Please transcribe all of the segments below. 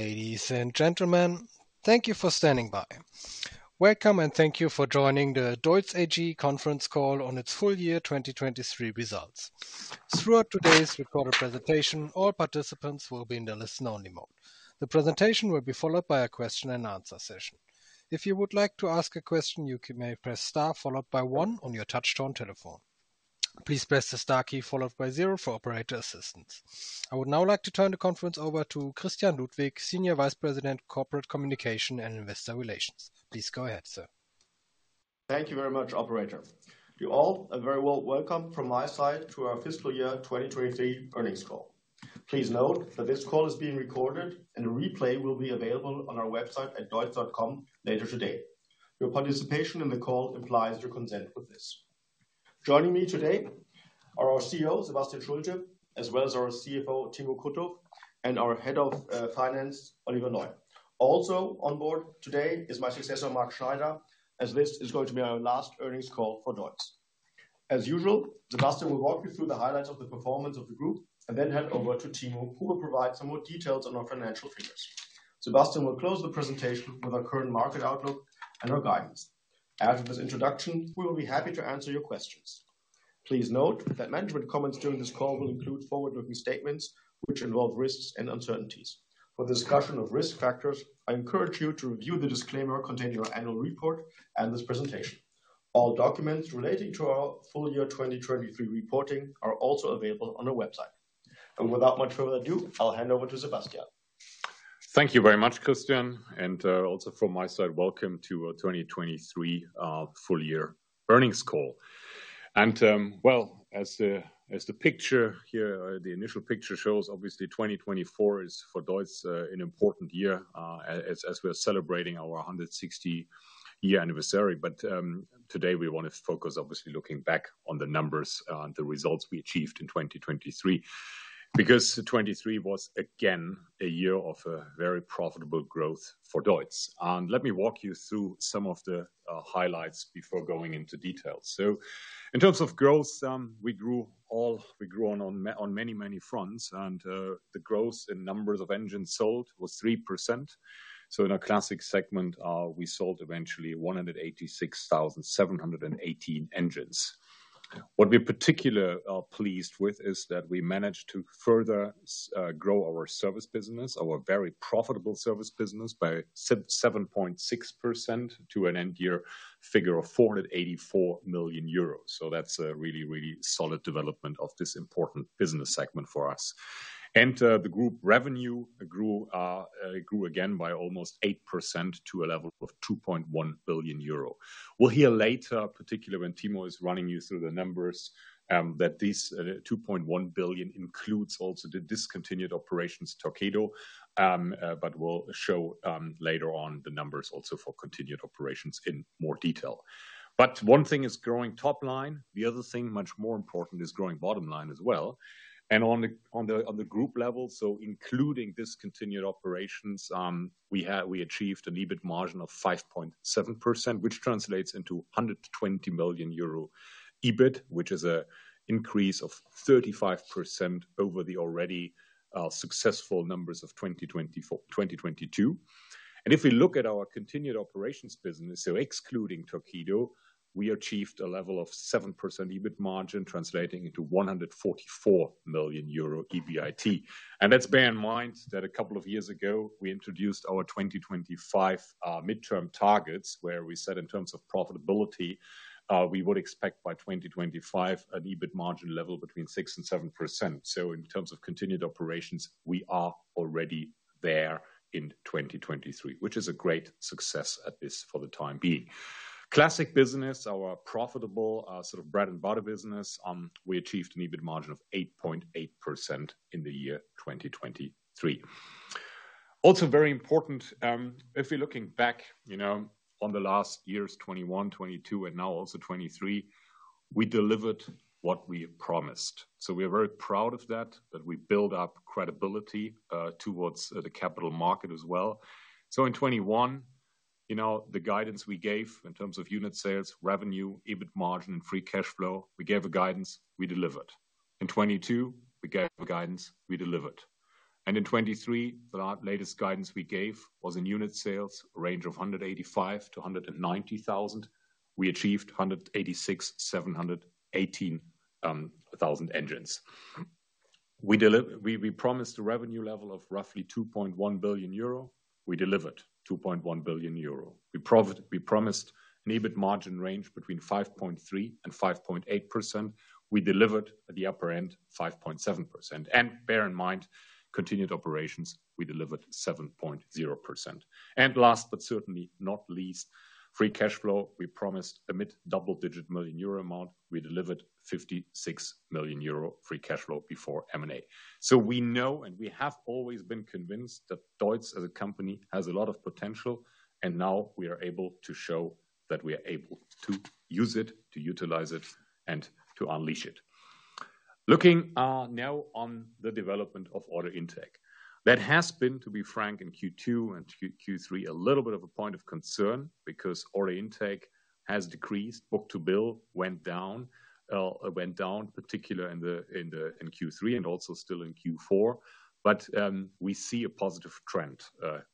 Ladies and gentlemen, thank you for standing by. Welcome, and Thank you for Joining the Deutz AG Conference Call on its Full Year 2023 Results. Throughout today's recorded presentation, all participants will be in the listen-only mode. The presentation will be followed by a question and answer session. If you would like to ask a question, you may press Star followed by one on your touchtone telephone. Please press the Star key followed by 0 for operator assistance. I would now like to turn the conference over to Christian Ludwig, Senior Vice President, Corporate Communication and Investor Relations. Please go ahead, sir. Thank you very much, operator. You all are very well welcome from my side to our fiscal year 2023 earnings call. Please note that this call is being recorded, and a replay will be available on our website at deutz.com later today. Your participation in the call implies your consent with this. Joining me today are our CEO, Sebastian Schulte, as well as our CFO, Timo Krutoff, and our Head of Finance, Oliver Neu. Also on board today is my successor, Mark Schneider, as this is going to be our last earnings call for Deutz. As usual, Sebastian will walk you through the highlights of the performance of the group and then hand over to Timo, who will provide some more details on our financial figures. Sebastian will close the presentation with our current market outlook and our guidance. After this introduction, we will be happy to answer your questions. Please note that management comments during this call will include forward-looking statements, which involve risks and uncertainties. For discussion of risk factors, I encourage you to review the disclaimer contained in our annual report and this presentation. All documents relating to our full year 2023 reporting are also available on our website. Without much further ado, I'll hand over to Sebastian. Thank you very much, Christian, and also from my side, welcome to our 2023 full year earnings call. Well, as the picture here, the initial picture shows, obviously 2024 is for Deutz an important year, as we are celebrating our 160-year anniversary. But today we want to focus, obviously, looking back on the numbers and the results we achieved in 2023. Because 2023 was again a year of a very profitable growth for Deutz. Let me walk you through some of the highlights before going into details. So in terms of growth, we grew on many, many fronts, and the growth in numbers of engines sold was 3%. So in our classic segment, we sold eventually 186,718 engines. What we're particularly pleased with is that we managed to further grow our service business, our very profitable service business, by 7.6% to an end-year figure of 484 million euros. So that's a really, really solid development of this important business segment for us. And the group revenue grew, grew again by almost 8% to a level of 2.1 billion euro. We'll hear later, particularly when Timo is running you through the numbers, that this 2.1 billion includes also the discontinued operations, Torqeedo, but we'll show later on the numbers also for continued operations in more detail. But one thing is growing top line. The other thing, much more important, is growing bottom line as well. On the group level, so including discontinued operations, we achieved an EBIT margin of 5.7%, which translates into 120 million euro EBIT, which is a increase of 35% over the already successful numbers of 2022. If we look at our continued operations business, so excluding Torqeedo, we achieved a level of 7% EBIT margin, translating into 144 million euro EBIT. Let's bear in mind that a couple of years ago, we introduced our 2025 midterm targets, where we said in terms of profitability, we would expect by 2025, an EBIT margin level between 6%-7%. So in terms of continued operations, we are already there in 2023, which is a great success at this for the time being. Classic business, our profitable, sort of bread and butter business, we achieved an EBIT margin of 8.8% in the year 2023. Also very important, if we're looking back, you know, on the last years, 2021, 2022, and now also 2023, we delivered what we promised. So we are very proud of that, that we build up credibility, towards, the capital market as well. So in 2021, you know, the guidance we gave in terms of unit sales, revenue, EBIT margin, and free cash flow, we gave a guidance, we delivered. In 2022, we gave a guidance, we delivered. In 2023, the latest guidance we gave was in unit sales, a range of 185,000-190,000. We achieved 186,718 thousand engines. We promised a revenue level of roughly 2.1 billion euro. We delivered 2.1 billion euro. We promised an EBIT margin range between 5.3%-5.8%. We delivered at the upper end, 5.7%. And bear in mind, continued operations, we delivered 7.0%. And last, but certainly not least, free cash flow. We promised a mid-double-digit million EUR amount. We delivered 56 million euro free cash flow before M&A. So we know, and we have always been convinced that Deutz as a company has a lot of potential, and now we are able to show that we are able to use it, to utilize it, and to unleash it. Looking now on the development of order intake. That has been, to be frank, in Q2 and Q3, a little bit of a point of concern because order intake has decreased. Book-to-bill went down, went down, particularly in Q3 and also still in Q4. But we see a positive trend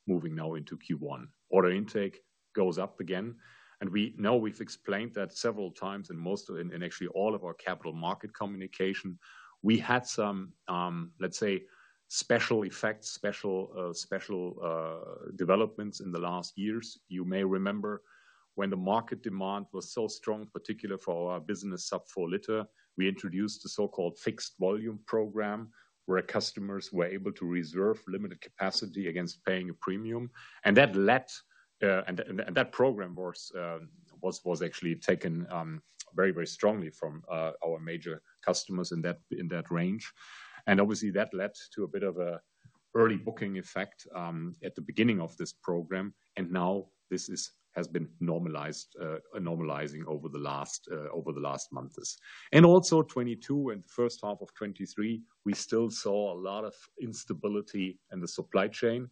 moving now into Q1. Order intake goes up again, and we now, we've explained that several times in most of, and actually all of our capital market communication. We had some, let's say, special effects, special, special, developments in the last years. You may remember when the market demand was so strong, particularly for our business sub-4 liter, we introduced a so-called fixed volume program, where customers were able to reserve limited capacity against paying a premium. And that led, and that program was actually taken very, very strongly from our major customers in that range. And obviously, that led to a bit of an early booking effect at the beginning of this program, and now this has been normalized, normalizing over the last months. And also 2022 and the first half of 2023, we still saw a lot of instability in the supply chain.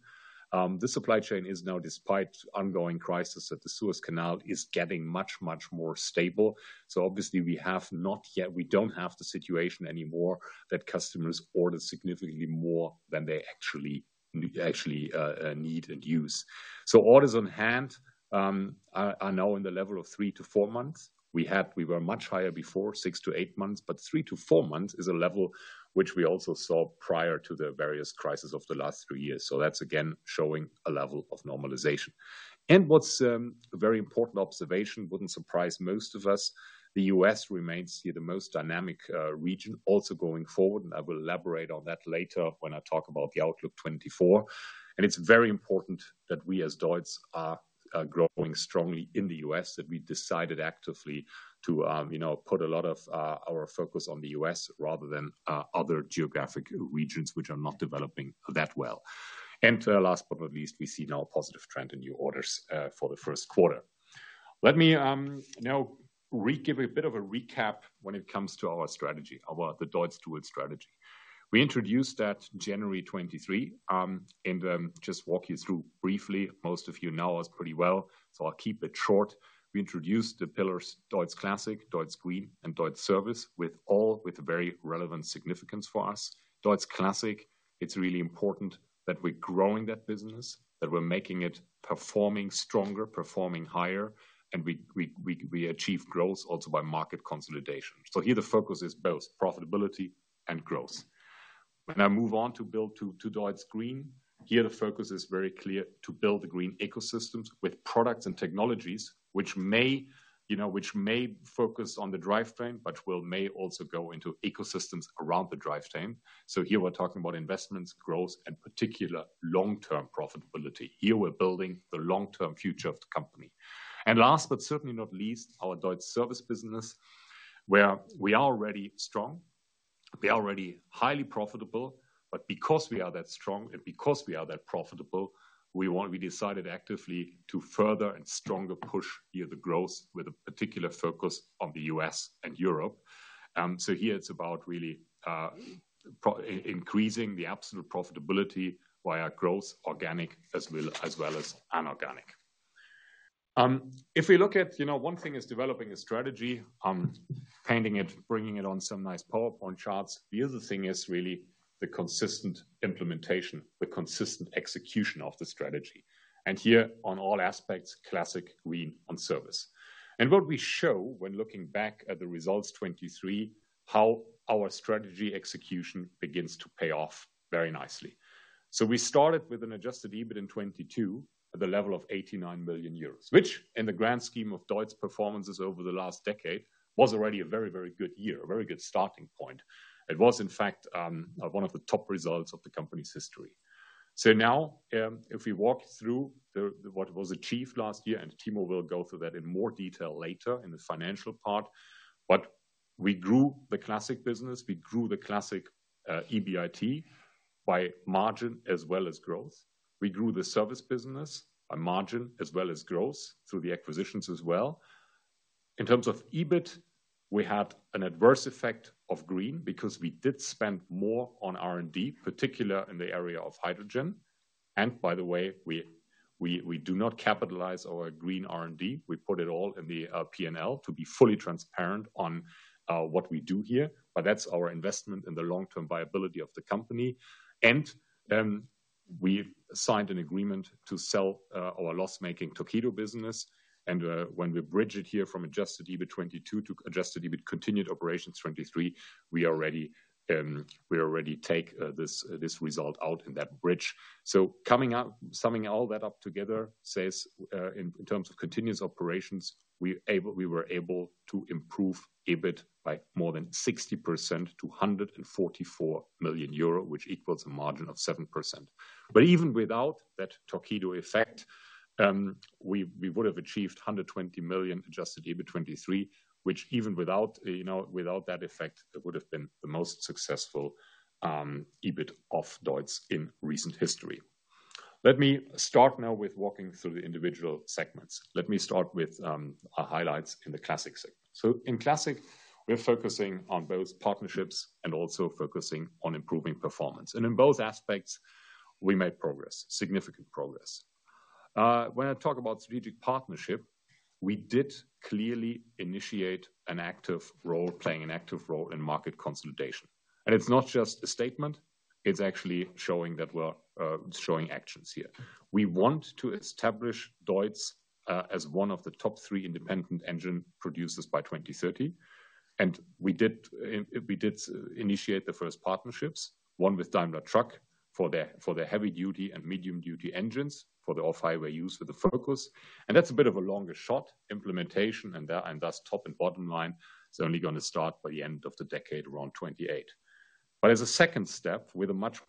The supply chain is now, despite ongoing crisis at the Suez Canal, getting much, much more stable. So obviously, we have not yet we don't have the situation anymore, that customers order significantly more than they actually need and use. So orders on hand are now in the level of 3-4 months. We had we were much higher before, 6-8 months, but 3-4 months is a level which we also saw prior to the various crises of the last 3 years. So that's again showing a level of normalization. And what's a very important observation, wouldn't surprise most of us, the U.S. remains the most dynamic region also going forward, and I will elaborate on that later when I talk about the Outlook 2024. It's very important that we, as Deutz, are growing strongly in the US, that we decided actively to put a lot of our focus on the US rather than other geographic regions which are not developing that well. Last but not least, we see now a positive trend in new orders for the Q1. Let me now give a bit of a recap when it comes to our strategy, the Deutz Dual strategy. We introduced that January 2023, and just walk you through briefly. Most of you know us pretty well, so I'll keep it short. We introduced the pillars, Deutz Classic, Deutz Green, and Deutz Service, all with a very relevant significance for us. Deutz Classic, it's really important that we're growing that business, that we're making it performing stronger, performing higher, and we achieve growth also by market consolidation. So here the focus is both profitability and growth. When I move on to Deutz Green, here the focus is very clear, to build the green ecosystems with products and technologies which may, you know, focus on the drivetrain, but may also go into ecosystems around the drivetrain. So here we're talking about investments, growth, and particular long-term profitability. Here we're building the long-term future of the company. And last, but certainly not least, our Deutz Service business, where we are already strong, we are already highly profitable, but because we are that strong and because we are that profitable, we want we decided actively to further and stronger push here the growth with a particular focus on the U.S. and Europe. So here it's about really increasing the absolute profitability via growth, organic, as well, as well as inorganic. If we look at. You know, one thing is developing a strategy, painting it, bringing it on some nice PowerPoint charts. The other thing is really the consistent implementation, the consistent execution of the strategy, and here on all aspects, Classic, Green, and Service. And what we show when looking back at the results 2023, how our strategy execution begins to pay off very nicely. So we started with an adjusted EBIT in 2022 at the level of 89 million euros, which in the grand scheme of Deutz performances over the last decade, was already a very, very good year, a very good starting point. It was, in fact, one of the top results of the company's history. So now, if we walk through what was achieved last year, and Timo will go through that in more detail later in the financial part. But we grew the Classic business, we grew the Classic, EBIT by margin as well as growth. We grew the Service business by margin as well as growth through the acquisitions as well. In terms of EBIT, we had an adverse effect of Green because we did spend more on R&D, particularly in the area of hydrogen. And by the way, we do not capitalize our Green R&D. We put it all in the P&L to be fully transparent on what we do here, but that's our investment in the long-term viability of the company. And we've signed an agreement to sell our loss-making Torqeedo business. And when we bridge it here from adjusted EBIT 2022 to adjusted EBIT continued operations 2023, we already take this result out in that bridge. So coming up summing all that up together says, in terms of continuous operations, we were able to improve EBIT by more than 60% to 144 million euro, which equals a margin of 7%. But even without that Torqeedo effect, we would have achieved 120 million adjusted EBIT 2023, which even without, you know, without that effect, it would have been the most successful EBIT of Deutz in recent history. Let me start now with walking through the individual segments. Let me start with our highlights in the classic segment. So in classic, we're focusing on both partnerships and also focusing on improving performance. And in both aspects, we made progress, significant progress. When I talk about strategic partnership, we did clearly initiate an active role, playing an active role in market consolidation. And it's not just a statement, it's actually showing that we're showing actions here. We want to establish Deutz as one of the top three independent engine producers by 2030, and we did initiate the first partnerships, one with Daimler Truck, for their heavy-duty and medium-duty engines, for the off-highway use with the focus. And that's a bit of a longer shot implementation, and thus, top and bottom line, it's only gonna start by the end of the decade, around 2028. But as a second step, with a much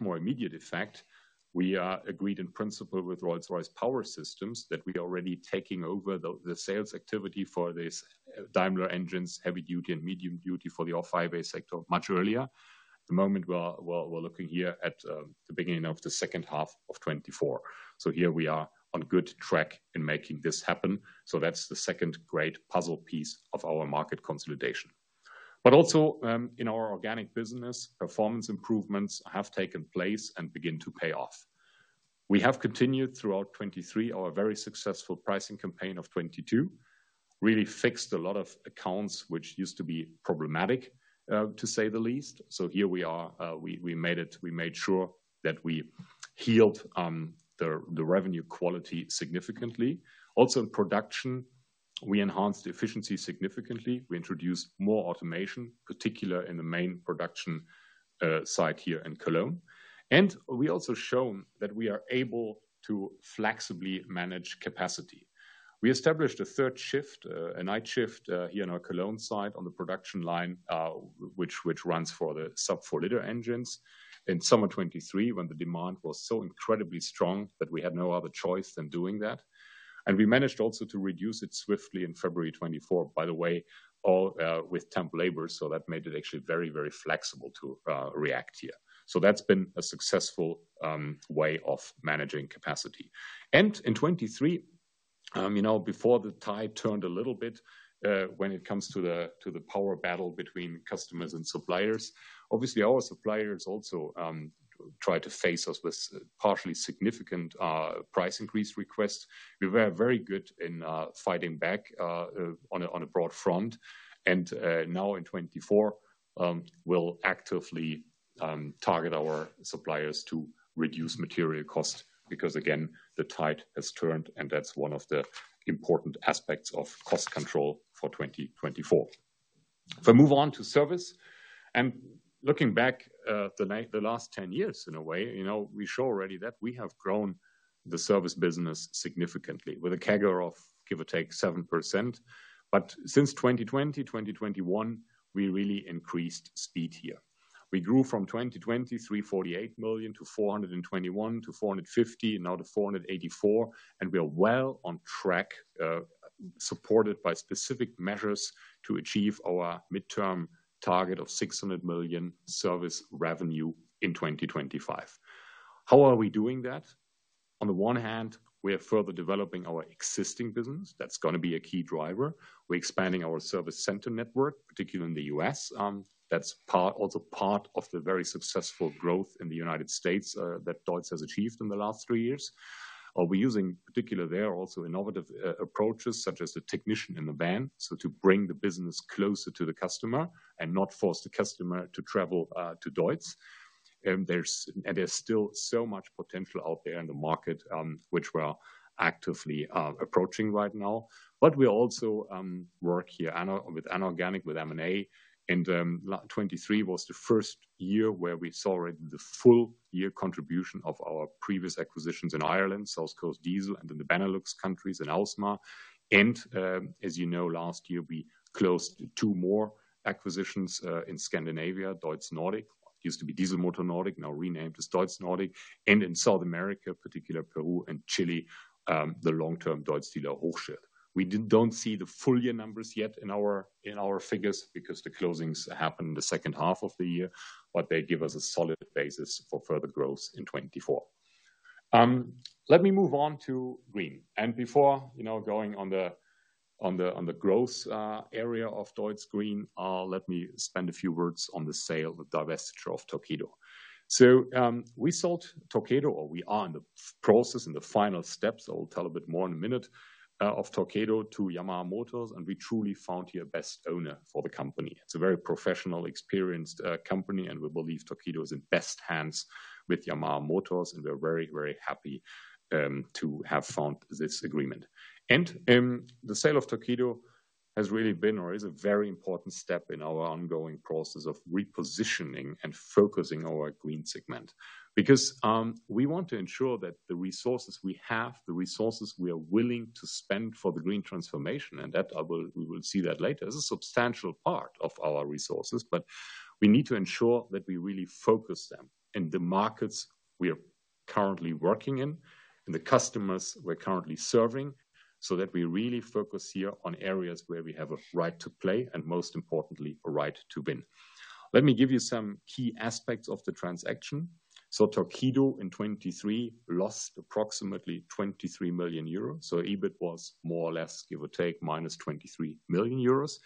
more immediate effect, we are agreed in principle with Rolls-Royce Power Systems that we are already taking over the sales activity for this Daimler engines, heavy-duty and medium-duty, for the off-highway sector much earlier. At the moment, we're looking here at the beginning of the second half of 2024. So here we are on good track in making this happen. So that's the second great puzzle piece of our market consolidation. But also, in our organic business, performance improvements have taken place and begin to pay off. We have continued throughout 2023, our very successful pricing campaign of 2022. Really fixed a lot of accounts which used to be problematic, to say the least. So here we are, we made it. We made sure that we healed the revenue quality significantly. Also, in production, we enhanced efficiency significantly. We introduced more automation, particularly in the main production site here in Cologne. And we also shown that we are able to flexibly manage capacity. We established a third shift, a night shift, here in our Cologne site on the production line, which runs for the sub-4 liter engines. In summer 2023, when the demand was so incredibly strong that we had no other choice than doing that, and we managed also to reduce it swiftly in February 2024. By the way, all with temp labor, so that made it actually very, very flexible to react here. So that's been a successful way of managing capacity. And in 2023, you know, before the tide turned a little bit, when it comes to the power battle between customers and suppliers, obviously, our suppliers also tried to face us with partially significant price increase requests. We were very good in fighting back on a broad front. Now in 2024, we'll actively target our suppliers to reduce material cost, because, again, the tide has turned, and that's one of the important aspects of cost control for 2024. If I move on to service, and looking back, the last 10 years, in a way, you know, we show already that we have grown the service business significantly with a CAGR of, give or take, 7%. But since 2020, 2021, we really increased speed here. We grew from 2020, 348 million to 421 million, to 450 million, now to 484 million, and we are well on track, supported by specific measures to achieve our midterm target of 600 million service revenue in 2025. How are we doing that? On the one hand, we are further developing our existing business. That's gonna be a key driver. We're expanding our service center network, particularly in the U.S. That's part, also part of the very successful growth in the United States, that Deutz has achieved in the last three years. We're using, particular there, also innovative, approaches, such as the technician in the van, so to bring the business closer to the customer and not force the customer to travel, to Deutz. And there's, and there's still so much potential out there in the market, which we are actively, approaching right now. But we also work here with inorganic, with M&A, and 2023 was the first year where we saw already the full year contribution of our previous acquisitions in Ireland, South Coast Diesels, and in the Benelux countries in Ausma. And as you know, last year, we closed two more acquisitions in Scandinavia, Deutz Nordic, used to be Diesel Motor Nordic, now renamed as Deutz Nordic, and in South America, particularly Peru and Chile, the long-term Deutz dealer, Hochschul. We didn't see the full year numbers yet in our figures because the closings happened in the second half of the year, but they give us a solid basis for further growth in 2024. Let me move on to green. And before, you know, going on the growth area of Deutz Green, let me spend a few words on the sale, the divestiture of Torqeedo. So, we sold Torqeedo, or we are in the process, in the final steps, I will tell a bit more in a minute, of Torqeedo to Yamaha Motors, and we truly found here a best owner for the company. It's a very professional, experienced company, and we believe Torqeedo is in best hands with Yamaha Motors, and we're very, very happy to have found this agreement. And, the sale of Torqeedo has really been or is a very important step in our ongoing process of repositioning and focusing our Green segment. Because, we want to ensure that the resources we have, the resources we are willing to spend for the green transformation, and that we will see that later, is a substantial part of our resources. But we need to ensure that we really focus them in the markets we are currently working in, and the customers we're currently serving, so that we really focus here on areas where we have a right to play, and most importantly, a right to win. Let me give you some key aspects of the transaction. So, Torqeedo, in 2023, lost approximately 23 million euros. So EBIT was more or less, give or take, minus 23 million euros.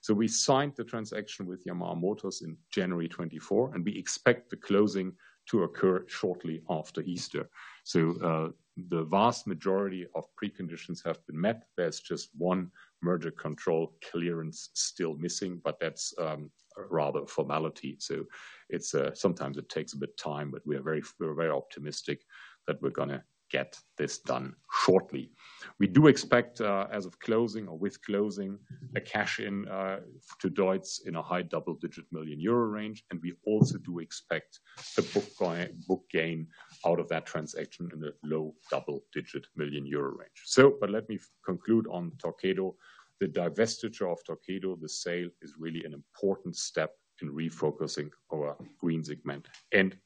So we signed the transaction with Yamaha Motors in January 2024, and we expect the closing to occur shortly after Easter. So, the vast majority of preconditions have been met. There's just one merger control clearance still missing, but that's a rather formality. So it's sometimes it takes a bit of time, but we are very-- we're very optimistic that we're gonna get this done shortly. We do expect, as of closing or with closing, a cash-in to Deutz in a high double-digit million EUR range, and we also do expect a book gain out of that transaction in the low double-digit million EUR range. But let me conclude on Torqeedo. The divestiture of Torqeedo, the sale, is really an important step in refocusing our green segment, and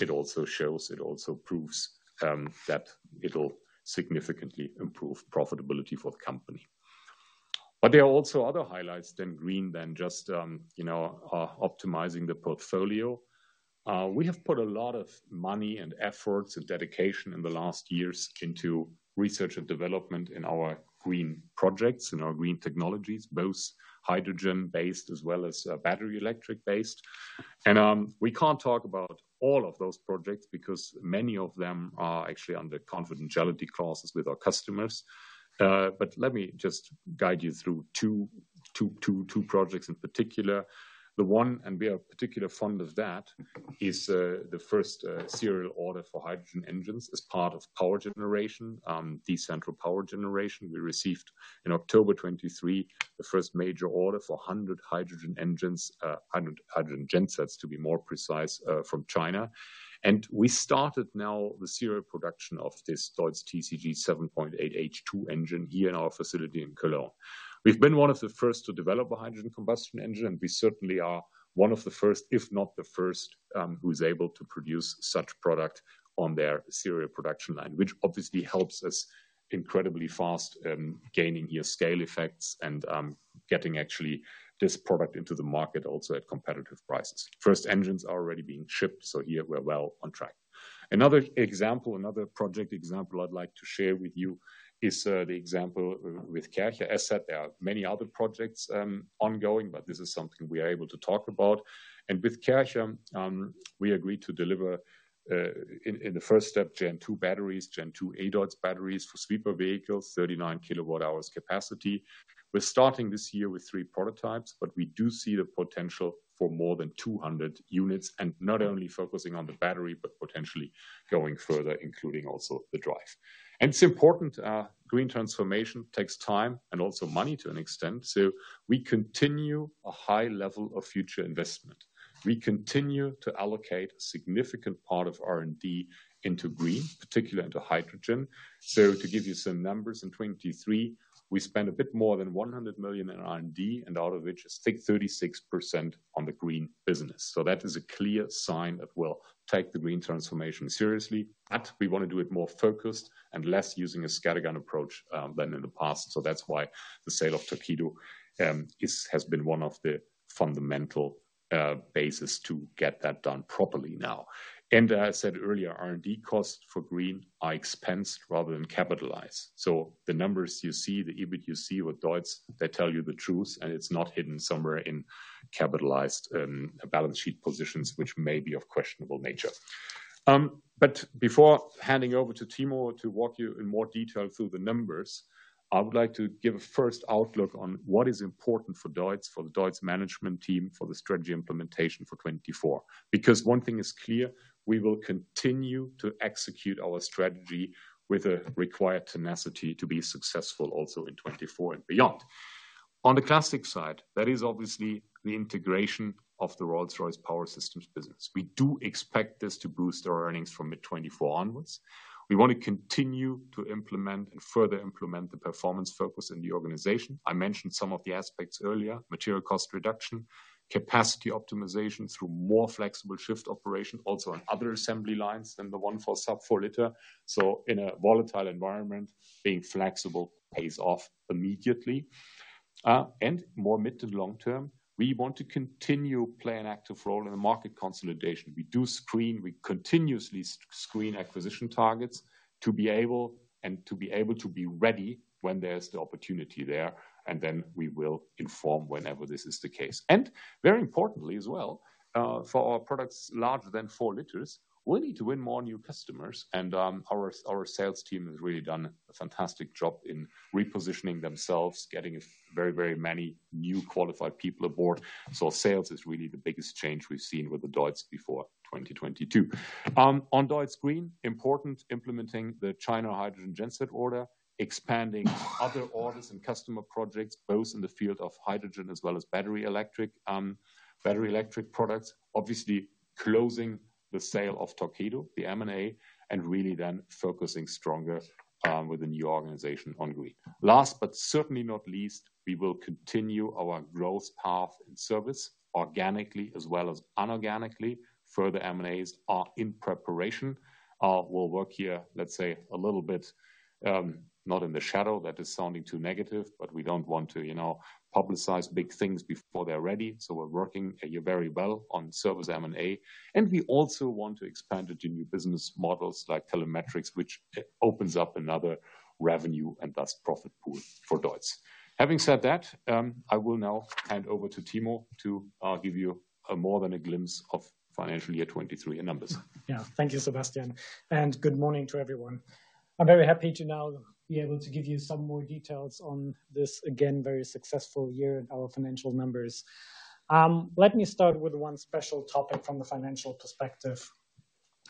it also shows, it also proves, that it'll significantly improve profitability for the company. But there are also other highlights than green than just optimizing the portfolio. We have put a lot of money and efforts and dedication in the last years into research and development in our green projects, in our green technologies, both hydrogen-based as well as, battery electric-based. And, we can't talk about all of those projects because many of them are actually under confidentiality clauses with our customers. But let me just guide you through two projects in particular. The one, and we are particularly fond of that, is the first serial order for hydrogen engines as part of power generation, decentral power generation. We received, in October 2023, the first major order for 100 hydrogen engines, 100 hydrogen gensets, to be more precise, from China. And we started now the serial production of this Deutz TCG 7.8 H2 engine here in our facility in Cologne. We've been one of the first to develop a hydrogen combustion engine, and we certainly are one of the first, if not the first, who's able to produce such product on their serial production line, which obviously helps us incredibly fast in gaining here scale effects and, getting actually this product into the market also at competitive prices. First engines are already being shipped, so here we're well on track. Another example, another project example I'd like to share with you is, the example with Kärcher. As said, there are many other projects, ongoing, but this is something we are able to talk about. And with Kärcher, we agreed to deliver, in the first step, Gen 2 batteries, Gen 2 Adots batteries for sweeper vehicles, 39 kWh capacity. We're starting this year with 3 prototypes, but we do see the potential for more than 200 units, and not only focusing on the battery, but potentially going further, including also the drive. And it's important, green transformation takes time and also money to an extent, so we continue a high level of future investment. We continue to allocate a significant part of R&D into green, particularly into hydrogen. So to give you some numbers, in 2023, we spent a bit more than 100 million in R&D, and out of which is 36% on the green business. So that is a clear sign that we'll take the green transformation seriously, but we want to do it more focused and less using a scattergun approach, than in the past. So that's why the sale of Torqeedo has been one of the fundamental basis to get that done properly now. And as I said earlier, R&D costs for green are expensed rather than capitalized. So the numbers you see, the EBIT you see with Deutz, they tell you the truth, and it's not hidden somewhere in capitalized balance sheet positions, which may be of questionable nature. But before handing over to Timo to walk you in more detail through the numbers, I would like to give a first outlook on what is important for Deutz, for the Deutz management team, for the strategy implementation for 2024. Because one thing is clear, we will continue to execute our strategy with the required tenacity to be successful also in 2024 and beyond. On the classic side, that is obviously the integration of the Rolls-Royce Power Systems business. We do expect this to boost our earnings from mid-2024 onwards. We want to continue to implement and further implement the performance focus in the organization. I mentioned some of the aspects earlier, material cost reduction, capacity optimization through more flexible shift operation, also on other assembly lines than the one for sub-4 liter. So in a volatile environment, being flexible pays off immediately. And more mid- to long-term, we want to continue play an active role in the market consolidation. We do screen, we continuously screen acquisition targets to be able to be ready when there's the opportunity there, and then we will inform whenever this is the case. Very importantly as well, for our products larger than four liters, we need to win more new customers, and our sales team has really done a fantastic job in repositioning themselves, getting a very, very many new qualified people aboard. Sales is really the biggest change we've seen with the Deutz before 2022. On Deutz Green, important, implementing the China hydrogen genset order, expanding other orders and customer projects, both in the field of hydrogen as well as battery electric products. Obviously, closing the sale of Torqeedo, the M&A, and really then focusing stronger with the new organization on green. Last, but certainly not least, we will continue our growth path in service, organically as well as inorganically. Further M&As are in preparation. We'll work here, let's say, a little bit, not in the shadow, that is sounding too negative, but we don't want to, you know, publicize big things before they're ready. So we're working very well on service M&A, and we also want to expand it to new business models like telematics, which opens up another revenue and thus profit pool for Deutz. Having said that, I will now hand over to Timo to give you a more than a glimpse of financial year 2023 in numbers. Yeah. Thank you, Sebastian, and good morning to everyone. I'm very happy to now be able to give you some more details on this, again, very successful year in our financial numbers. Let me start with one special topic from the financial perspective.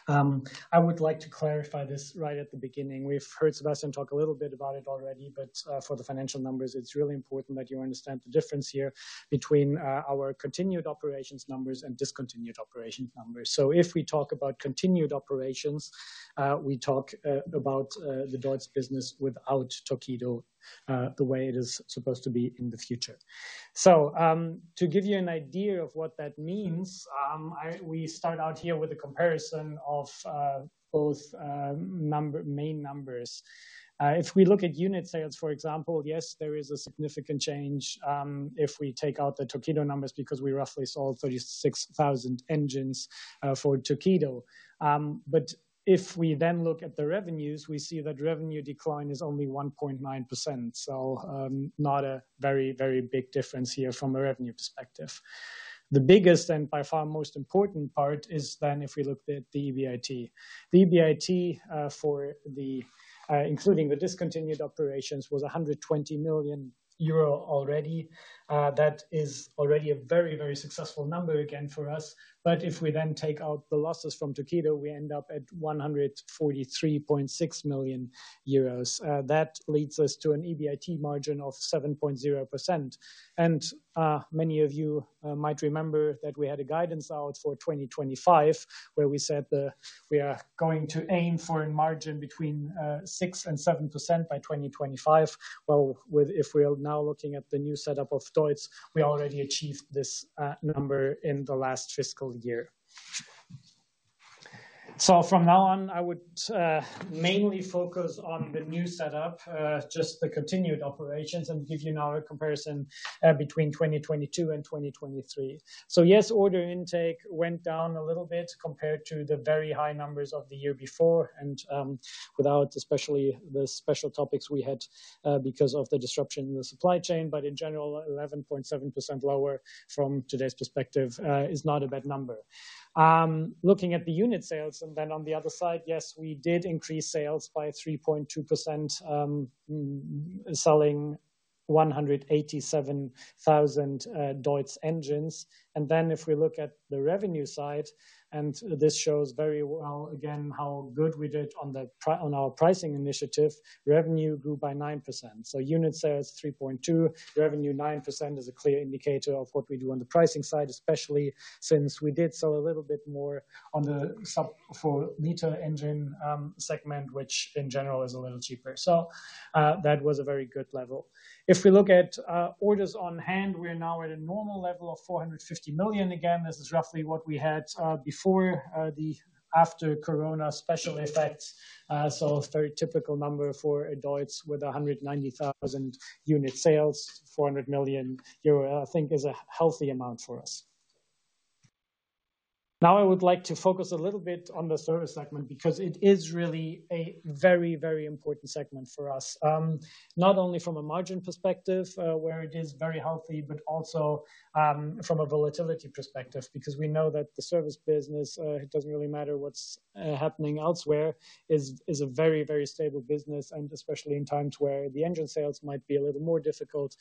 I would like to clarify this right at the beginning. We've heard Sebastian talk a little bit about it already, but for the financial numbers, it's really important that you understand the difference here between our continued operations numbers and discontinued operations numbers. So if we talk about continued operations, we talk about the Deutz business without Torqeedo, the way it is supposed to be in the future. So, to give you an idea of what that means, we start out here with a comparison of both main numbers. If we look at unit sales, for example, yes, there is a significant change, if we take out the Torqeedo numbers, because we roughly sold 36,000 engines for Torqeedo. But if we then look at the revenues, we see that revenue decline is only 1.9%, so, not a very, very big difference here from a revenue perspective. The biggest and by far most important part is then if we look at the EBIT. The EBIT for the including the discontinued operations was 120 million euro already. That is already a very, very successful number again for us. But if we then take out the losses from Torqeedo, we end up at 143.6 million euros. That leads us to an EBIT margin of 7.0%. Many of you might remember that we had a guidance out for 2025, where we said that we are going to aim for a margin between 6 and 7% by 2025. Well, if we are now looking at the new setup of Deutz, we already achieved this number in the last fiscal year. So from now on, I would mainly focus on the new setup, just the continued operations, and give you now a comparison between 2022 and 2023. So yes, order intake went down a little bit compared to the very high numbers of the year before, and without especially the special topics we had because of the disruption in the supply chain. But in general, 11.7% lower from today's perspective is not a bad number. Looking at the unit sales, and then on the other side, yes, we did increase sales by 3.2%, selling 187,000 DEUTZ engines. Then if we look at the revenue side, and this shows very well, again, how good we did on our pricing initiative, revenue grew by 9%. So unit sales, 3.2, revenue, 9%, is a clear indicator of what we do on the pricing side, especially since we did sell a little bit more on the sub-4-liter engine segment, which in general is a little cheaper. So, that was a very good level. If we look at orders on hand, we are now at a normal level of 450 million. Again, this is roughly what we had before the after-Corona special effects. So a very typical number for a Deutz with 190,000 unit sales. 400 million euro, I think, is a healthy amount for us. Now, I would like to focus a little bit on the service segment, because it is really a very, very important segment for us. Not only from a margin perspective, where it is very healthy, but also, from a volatility perspective, because we know that the service business, it doesn't really matter what's happening elsewhere, is, is a very, very stable business, and especially in times where the engine sales might be a little more difficult,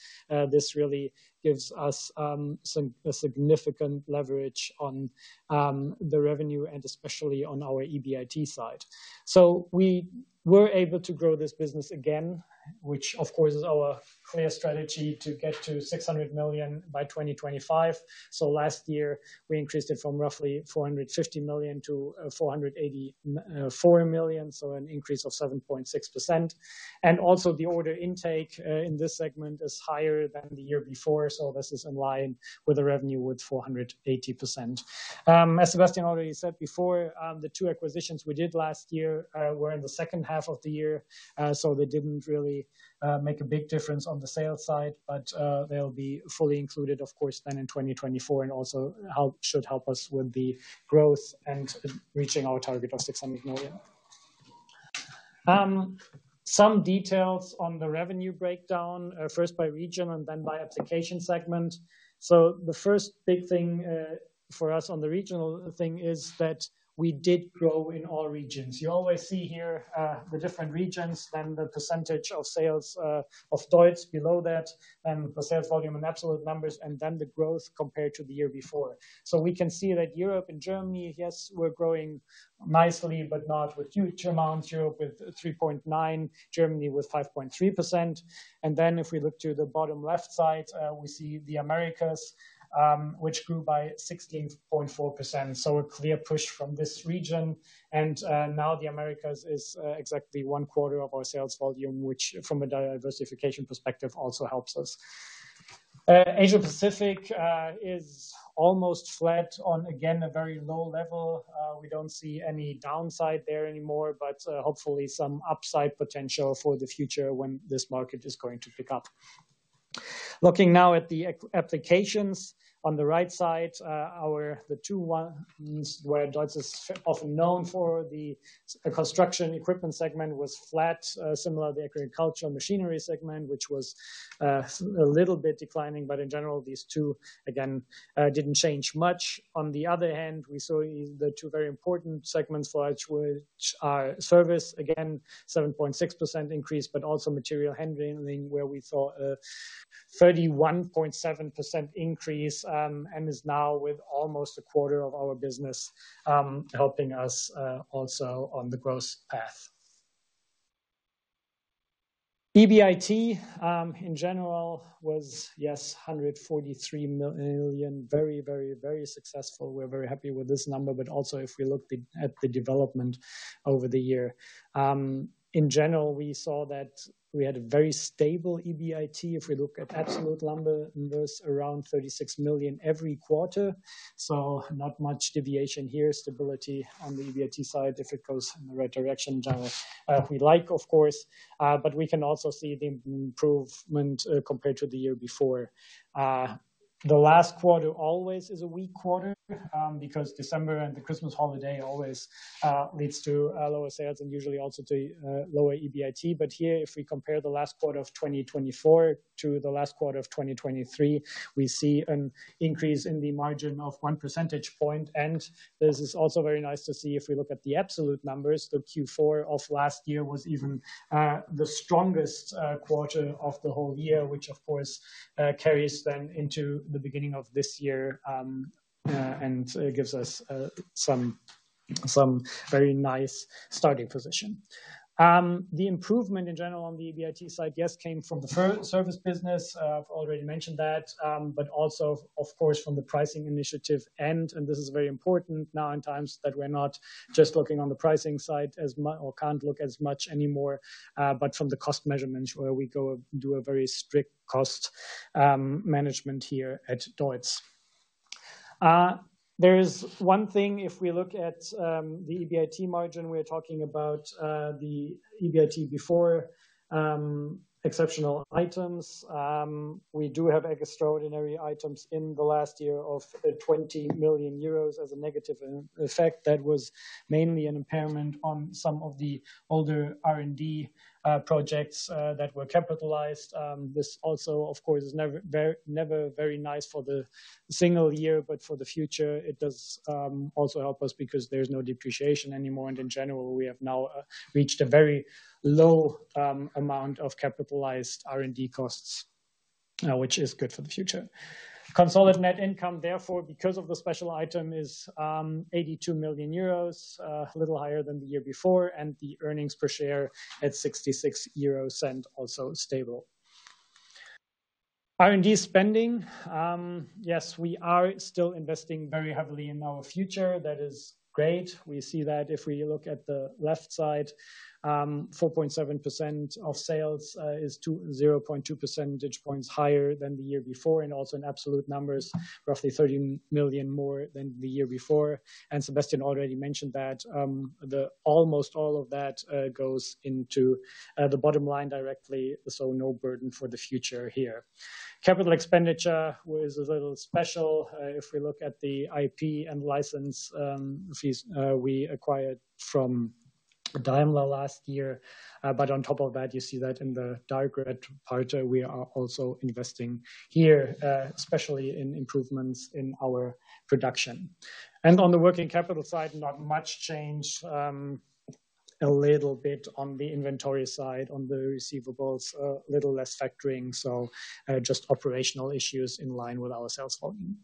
this really gives us a significant leverage on the revenue and especially on our EBIT side. So we were able to grow this business again, which of course is our clear strategy to get to 600 million by 2025. So last year, we increased it from roughly 450 million to 484 million, so an increase of 7.6%. And also, the order intake in this segment is higher than the year before, so this is in line with the revenue with 480%. As Sebastian already said before, the two acquisitions we did last year were in the second half of the year, so they didn't really make a big difference on the sales side, but they'll be fully included, of course, then in 2024, and also should help us with the growth and reaching our target of 600 million. Some details on the revenue breakdown, first by region and then by application segment. So the first big thing, for us on the regional thing is that we did grow in all regions. You always see here, the different regions and the percentage of sales, of Deutz below that, and the sales volume in absolute numbers, and then the growth compared to the year before. So we can see that Europe and Germany, yes, we're growing nicely, but not with huge amounts. Europe with 3.9%, Germany with 5.3%. And then if we look to the bottom left side, we see the Americas, which grew by 16.4%. So a clear push from this region. And, now the Americas is, exactly one quarter of our sales volume, which from a diversification perspective, also helps us. Asia Pacific is almost flat on, again, a very low level. We don't see any downside there anymore, but hopefully some upside potential for the future when this market is going to pick up. Looking now at the applications. On the right side, the two ones where Deutz is often known for, the construction equipment segment was flat, similar to the agricultural machinery segment, which was a little bit declining. But in general, these two, again, didn't change much. On the other hand, we saw the two very important segments for which are service, again, 7.6% increase, but also material handling, where we saw a 31.7% increase, and is now with almost a quarter of our business, helping us also on the growth path. EBIT, in general was, yes, 143 million. Very, very, very successful. We're very happy with this number, but also, if we look at the development over the year. In general, we saw that we had a very stable EBIT. If we look at absolute numbers, around 36 million every quarter, so not much deviation here. Stability on the EBIT side, if it goes in the right direction, general, we like, of course, but we can also see the improvement, compared to the year before. The last quarter always is a weak quarter, because December and the Christmas holiday always leads to lower sales and usually also to lower EBIT. But here, if we compare the last quarter of 2024 to the last quarter of 2023, we see an increase in the margin of one percentage point. And this is also very nice to see if we look at the absolute numbers. The Q4 of last year was even the strongest quarter of the whole year, which, of course, carries then into the beginning of this year and gives us some very nice starting position. The improvement in general on the EBIT side, yes, came from the pro- service business. I've already mentioned that, but also, of course, from the pricing initiative. This is very important now in times that we're not just looking on the pricing side as much or can't look as much anymore, but from the cost measurements, where we do a very strict cost management here at Deutz. There is one thing, if we look at the EBIT margin, we're talking about the EBIT before exceptional items. We do have extraordinary items in the last year of 20 million euros as a negative effect. That was mainly an impairment on some of the older R&D projects that were capitalized. This also, of course, is never very, never very nice for the single year, but for the future, it does also help us because there's no depreciation anymore, and in general, we have now reached a very low amount of capitalized R&D costs, which is good for the future. Consolidated net income, therefore, because of the special item, is 82 million euros, a little higher than the year before, and the earnings per share at 0.66 EUR, also stable. R&D spending. Yes, we are still investing very heavily in our future. That is great. We see that if we look at the left side, 4.7% of sales is 0.2 percentage points higher than the year before, and also in absolute numbers, roughly 13 million EUR more than the year before. Sebastian already mentioned that almost all of that goes into the bottom line directly, so no burden for the future here. Capital expenditure was a little special. If we look at the IP and license fees we acquired from Daimler last year. But on top of that, you see that in the dark red part, we are also investing here, especially in improvements in our production. On the working capital side, not much change, a little bit on the inventory side, on the receivables, little less factoring, so just operational issues in line with our sales volume.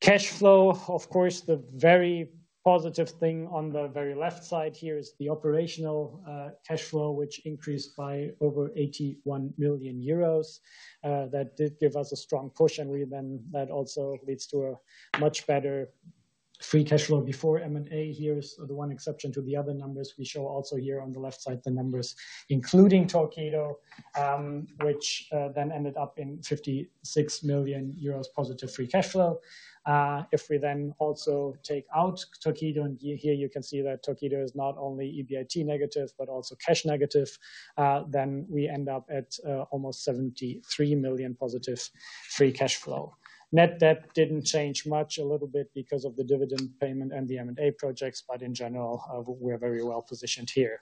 Cash flow, of course, the very positive thing on the very left side here is the operational cash flow, which increased by over 81 million euros. That did give us a strong push, and we then, that also leads to a much better free cash flow before M&A. Here is the one exception to the other numbers we show also here on the left side, the numbers, including Torqeedo, which, then ended up in 56 million euros positive free cash flow. If we then also take out Torqeedo, and here you can see that Torqeedo is not only EBIT negative, but also cash negative, then we end up at, almost 73 million positive free cash flow. Net debt didn't change much, a little bit because of the dividend payment and the M&A projects, but in general, we are very well positioned here.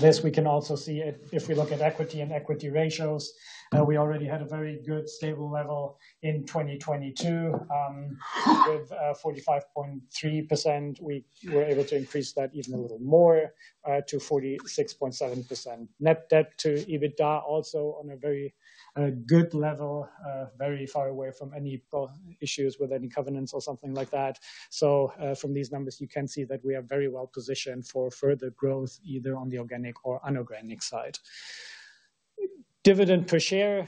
This we can also see if we look at equity and equity ratios. We already had a very good stable level in 2022, with 45.3%. We were able to increase that even a little more, to 46.7%. Net debt to EBITDA also on a very good level, very far away from any problem issues with any covenants or something like that. So, from these numbers, you can see that we are very well positioned for further growth, either on the organic or inorganic side. Dividend per share,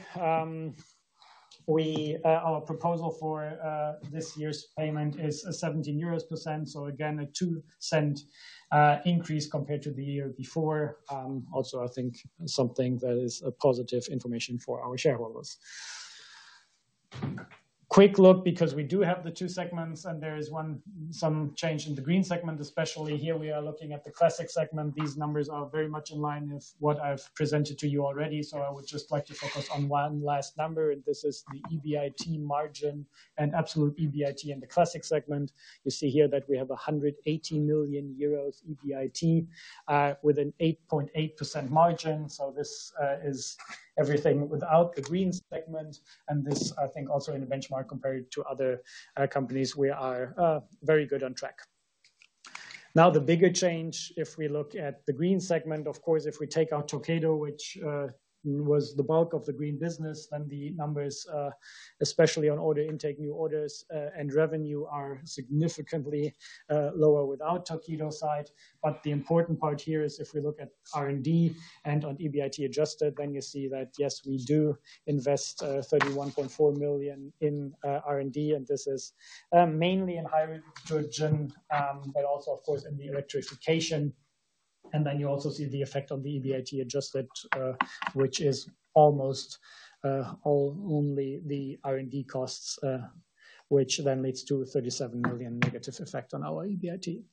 our proposal for this year's payment is 1.70 euros per share, so again, a 0.02 increase compared to the year before. Also, I think something that is a positive information for our shareholders. Quick look, because we do have the two segments, and there is some change in the green segment, especially here, we are looking at the classic segment. These numbers are very much in line with what I've presented to you already, so I would just like to focus on one last number, and this is the EBIT margin and absolute EBIT in the classic segment. You see here that we have 180 million euros EBIT, with an 8.8% margin, so this is everything without the green segment. And this, I think, also in a benchmark compared to other companies, we are very good on track. Now, the bigger change, if we look at the green segment, of course, if we take out Torqeedo, which was the bulk of the green business, then the numbers, especially on order intake, new orders, and revenue, are significantly lower without Torqeedo side. But the important part here is if we look at R&D and on EBIT adjusted, then you see that, yes, we do invest 31.4 million in R&D, and this is mainly in hydrogen, but also, of course, in the electrification. And then you also see the effect on the EBIT adjusted, which is almost all, only the R&D costs, which then leads to a 37 million negative effect on our EBIT.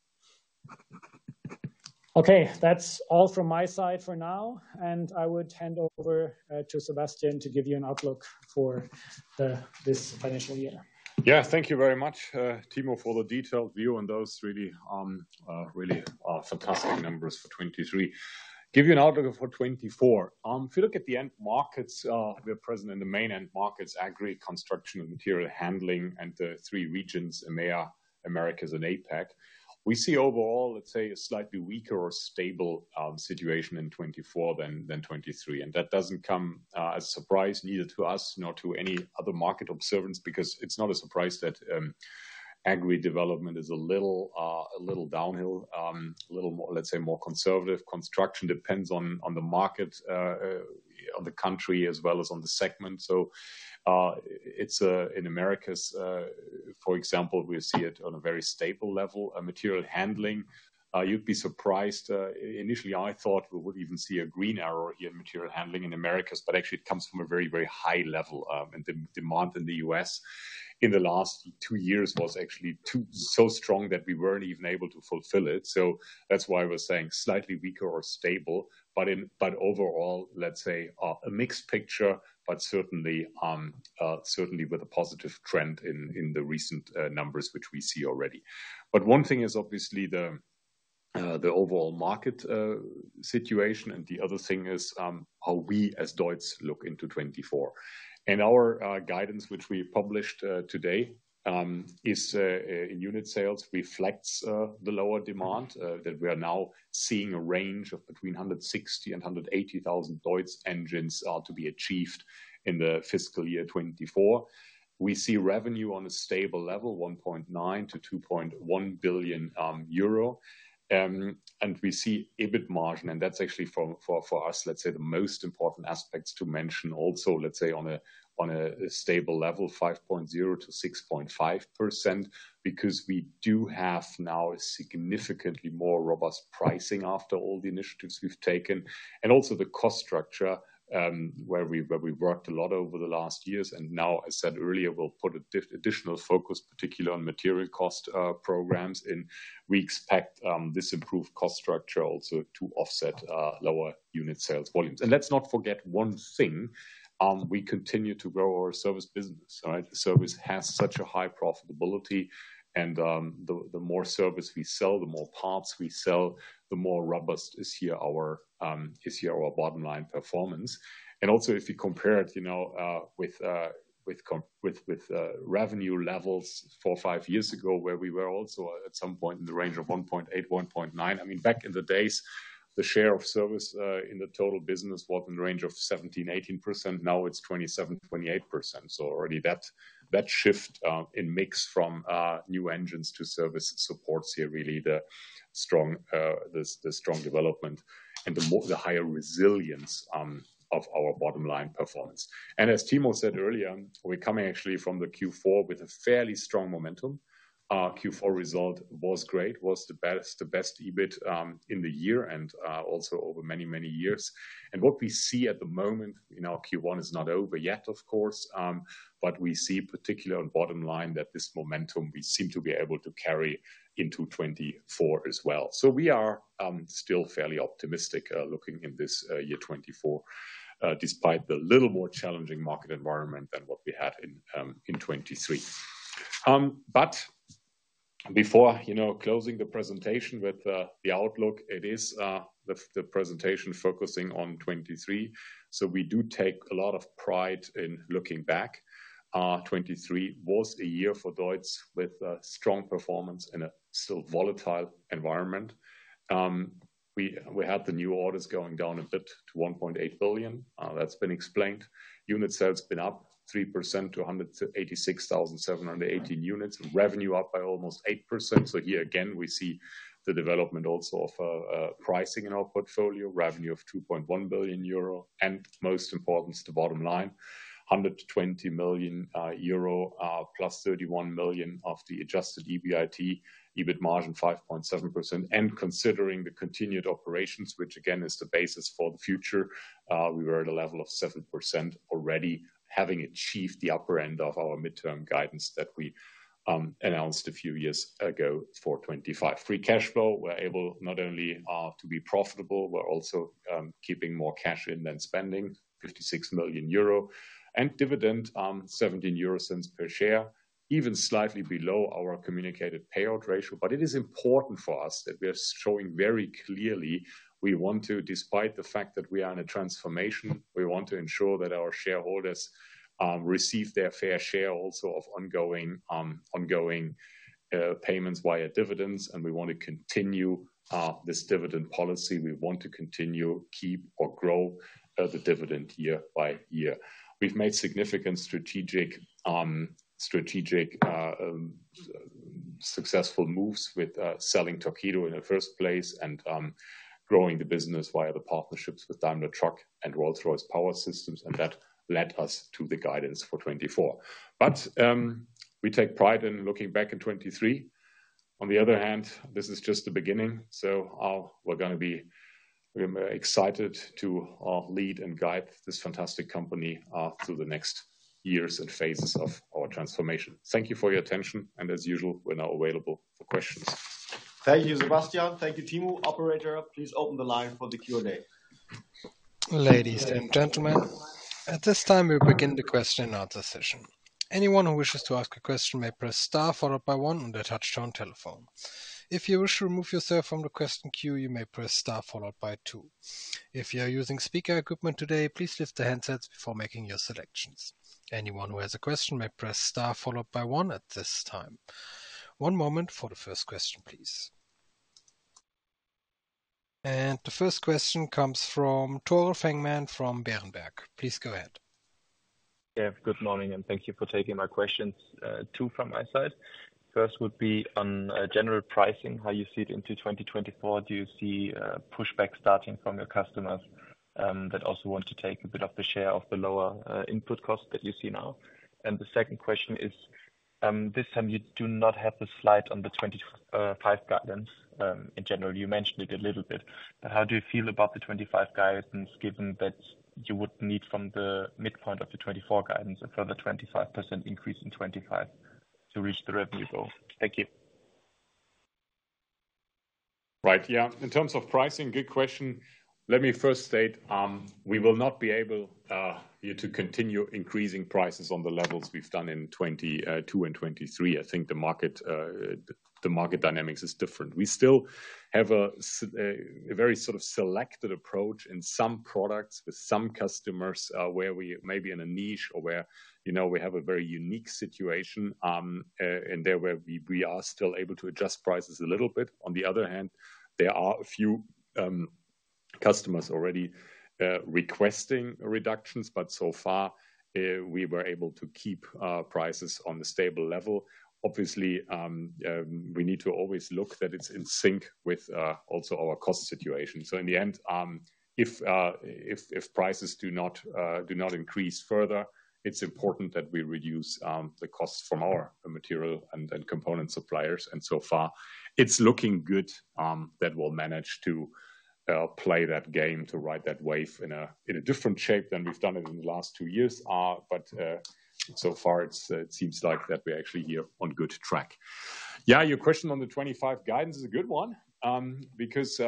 Okay, that's all from my side for now, and I would hand over to Sebastian to give you an outlook for this financial year. Yeah, thank you very much, Timo, for the detailed view on those really fantastic numbers for 2023. Give you an outlook for 2024. If you look at the end markets, we're present in the main end markets, Agri, Construction, Material Handling, and the three regions, EMEA, Americas, and APAC. We see overall, let's say, a slightly weaker or stable situation in 2024 than 2023, and that doesn't come as a surprise, neither to us nor to any other market observers, because it's not a surprise that Agri development is a little downhill, a little more... let's say, more conservative. Construction depends on the market, on the country, as well as on the segment. So, it's in Americas, for example, we see it on a very stable level. Material Handling, you'd be surprised, initially, I thought we would even see a green arrow here in Material Handling in Americas, but actually, it comes from a very, very high level, and the demand in the U.S. in the last two years was actually too strong that we weren't even able to fulfill it. So that's why I was saying slightly weaker or stable, but overall, let's say, a mixed picture, but certainly with a positive trend in the recent numbers which we see already. But one thing is obviously the overall market situation, and the other thing is how we, as Deutz, look into 2024. And our guidance, which we published today, is in unit sales reflects the lower demand that we are now seeing: a range of between 160 and 180 thousand Deutz engines are to be achieved in the fiscal year 2024. We see revenue on a stable level, 1.9 billion-2.1 billion euro. And we see EBIT margin, and that's actually for us, let's say, the most important aspects to mention also, let's say, on a stable level, 5.0%-6.5%, because we do have now a significantly more robust pricing after all the initiatives we've taken. And also the cost structure, where we've worked a lot over the last years, and now, I said earlier, we'll put additional focus, particularly on material cost programs, and we expect this improved cost structure also to offset lower unit sales volumes. And let's not forget one thing, we continue to grow our service business, all right? The service has such a high profitability, and the more service we sell, the more parts we sell, the more robust is here our bottom line performance. And also, if you compare it, you know, with revenue levels four, five years ago, where we were also at some point in the range of 1.8-1.9. I mean, back in the days, the share of service in the total business was in the range of 17%-18%. Now it's 27%-28%. So already that shift in mix from new engines to service supports here really the strong development and the higher resilience of our bottom line performance. And as Timo said earlier, we're coming actually from the Q4 with a fairly strong momentum. Our Q4 result was great, was the best EBIT in the year and also over many years. And what we see at the moment in our Q1 is not over yet, of course, but we see particularly on bottom line that this momentum we seem to be able to carry into 2024 as well. So we are still fairly optimistic looking in this year 2024 despite the little more challenging market environment than what we had in in 2023. But before, you know, closing the presentation with the outlook, it is the presentation focusing on 2023. So we do take a lot of pride in looking back. Our 2023 was a year for Deutz with a strong performance in a still volatile environment. We had the new orders going down a bit to 1.8 billion. That's been explained. Unit sales has been up 3% to 186,780 units. Revenue up by almost 8%. So here again, we see the development also of pricing in our portfolio, revenue of 2.1 billion euro, and most important is the bottom line, 120 million euro, plus 31 million of the adjusted EBIT, EBIT margin 5.7%. And considering the continued operations, which again, is the basis for the future, we were at a level of 7% already, having achieved the upper end of our midterm guidance that we announced a few years ago for 2025. Free cash flow, we're able not only to be profitable, we're also keeping more cash in than spending, 56 million euro. And dividend, 17 euro cents per share, even slightly below our communicated payout ratio. But it is important for us that we are showing very clearly, we want to, despite the fact that we are in a transformation, we want to ensure that our shareholders receive their fair share also of ongoing, ongoing payments via dividends, and we want to continue this dividend policy. We want to continue, keep, or grow the dividend year by year. We've made significant strategic successful moves with selling Torqeedo in the first place and growing the business via the partnerships with Daimler Truck and Rolls-Royce Power Systems, and that led us to the guidance for 2024. But we take pride in looking back in 2023. On the other hand, this is just the beginning, so we're excited to lead and guide this fantastic company through the next years and phases of our transformation. Thank you for your attention, and as usual, we're now available for questions. Thank you, Sebastian. Thank you, Timo. Operator, please open the line for the Q&A. Ladies and gentlemen, at this time, we'll begin the question and answer session. Anyone who wishes to ask a question may press star followed by one on their touchtone telephone. If you wish to remove yourself from the question queue, you may press star followed by two. If you are using speaker equipment today, please lift the handsets before making your selections. Anyone who has a question may press star followed by one at this time. One moment for the first question, please. The first question comes from Tore Fangmann from Berenberg. Please go ahead. Yeah, good morning, and thank you for taking my questions, two from my side. First would be on general pricing, how you see it into 2024. Do you see a pushback starting from your customers, that also want to take a bit of the share of the lower input costs that you see now? And the second question is, this time you do not have the slide on the 2025 guidance. In general, you mentioned it a little bit, but how do you feel about the 2025 guidance, given that you would need from the midpoint of the 2024 guidance, a further 25% increase in 2025 to reach the revenue goal? Thank you. Right. Yeah, in terms of pricing, good question. Let me first state, we will not be able to continue increasing prices on the levels we've done in 2022 and 2023. I think the market dynamics is different. We still have a very sort of selected approach in some products with some customers, where we may be in a niche or where, you know, we have a very unique situation, and there where we are still able to adjust prices a little bit. On the other hand, there are a few customers already requesting reductions, but so far, we were able to keep prices on a stable level. Obviously, we need to always look that it's in sync with also our cost situation. In the end, if prices do not increase further, it's important that we reduce the costs from our material and then component suppliers, and so far it's looking good that we'll manage to play that game, to ride that wave in a different shape than we've done it in the last two years. But so far it seems like that we're actually here on good track. Yeah, your question on the 25 guidance is a good one, because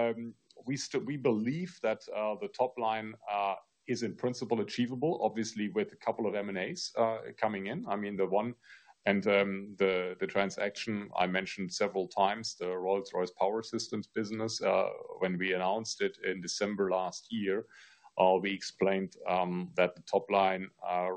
we believe that the top line is in principle achievable, obviously, with a couple of M&As coming in. I mean, the one and the transaction I mentioned several times, the Rolls-Royce Power Systems business. When we announced it in December last year, we explained that the top line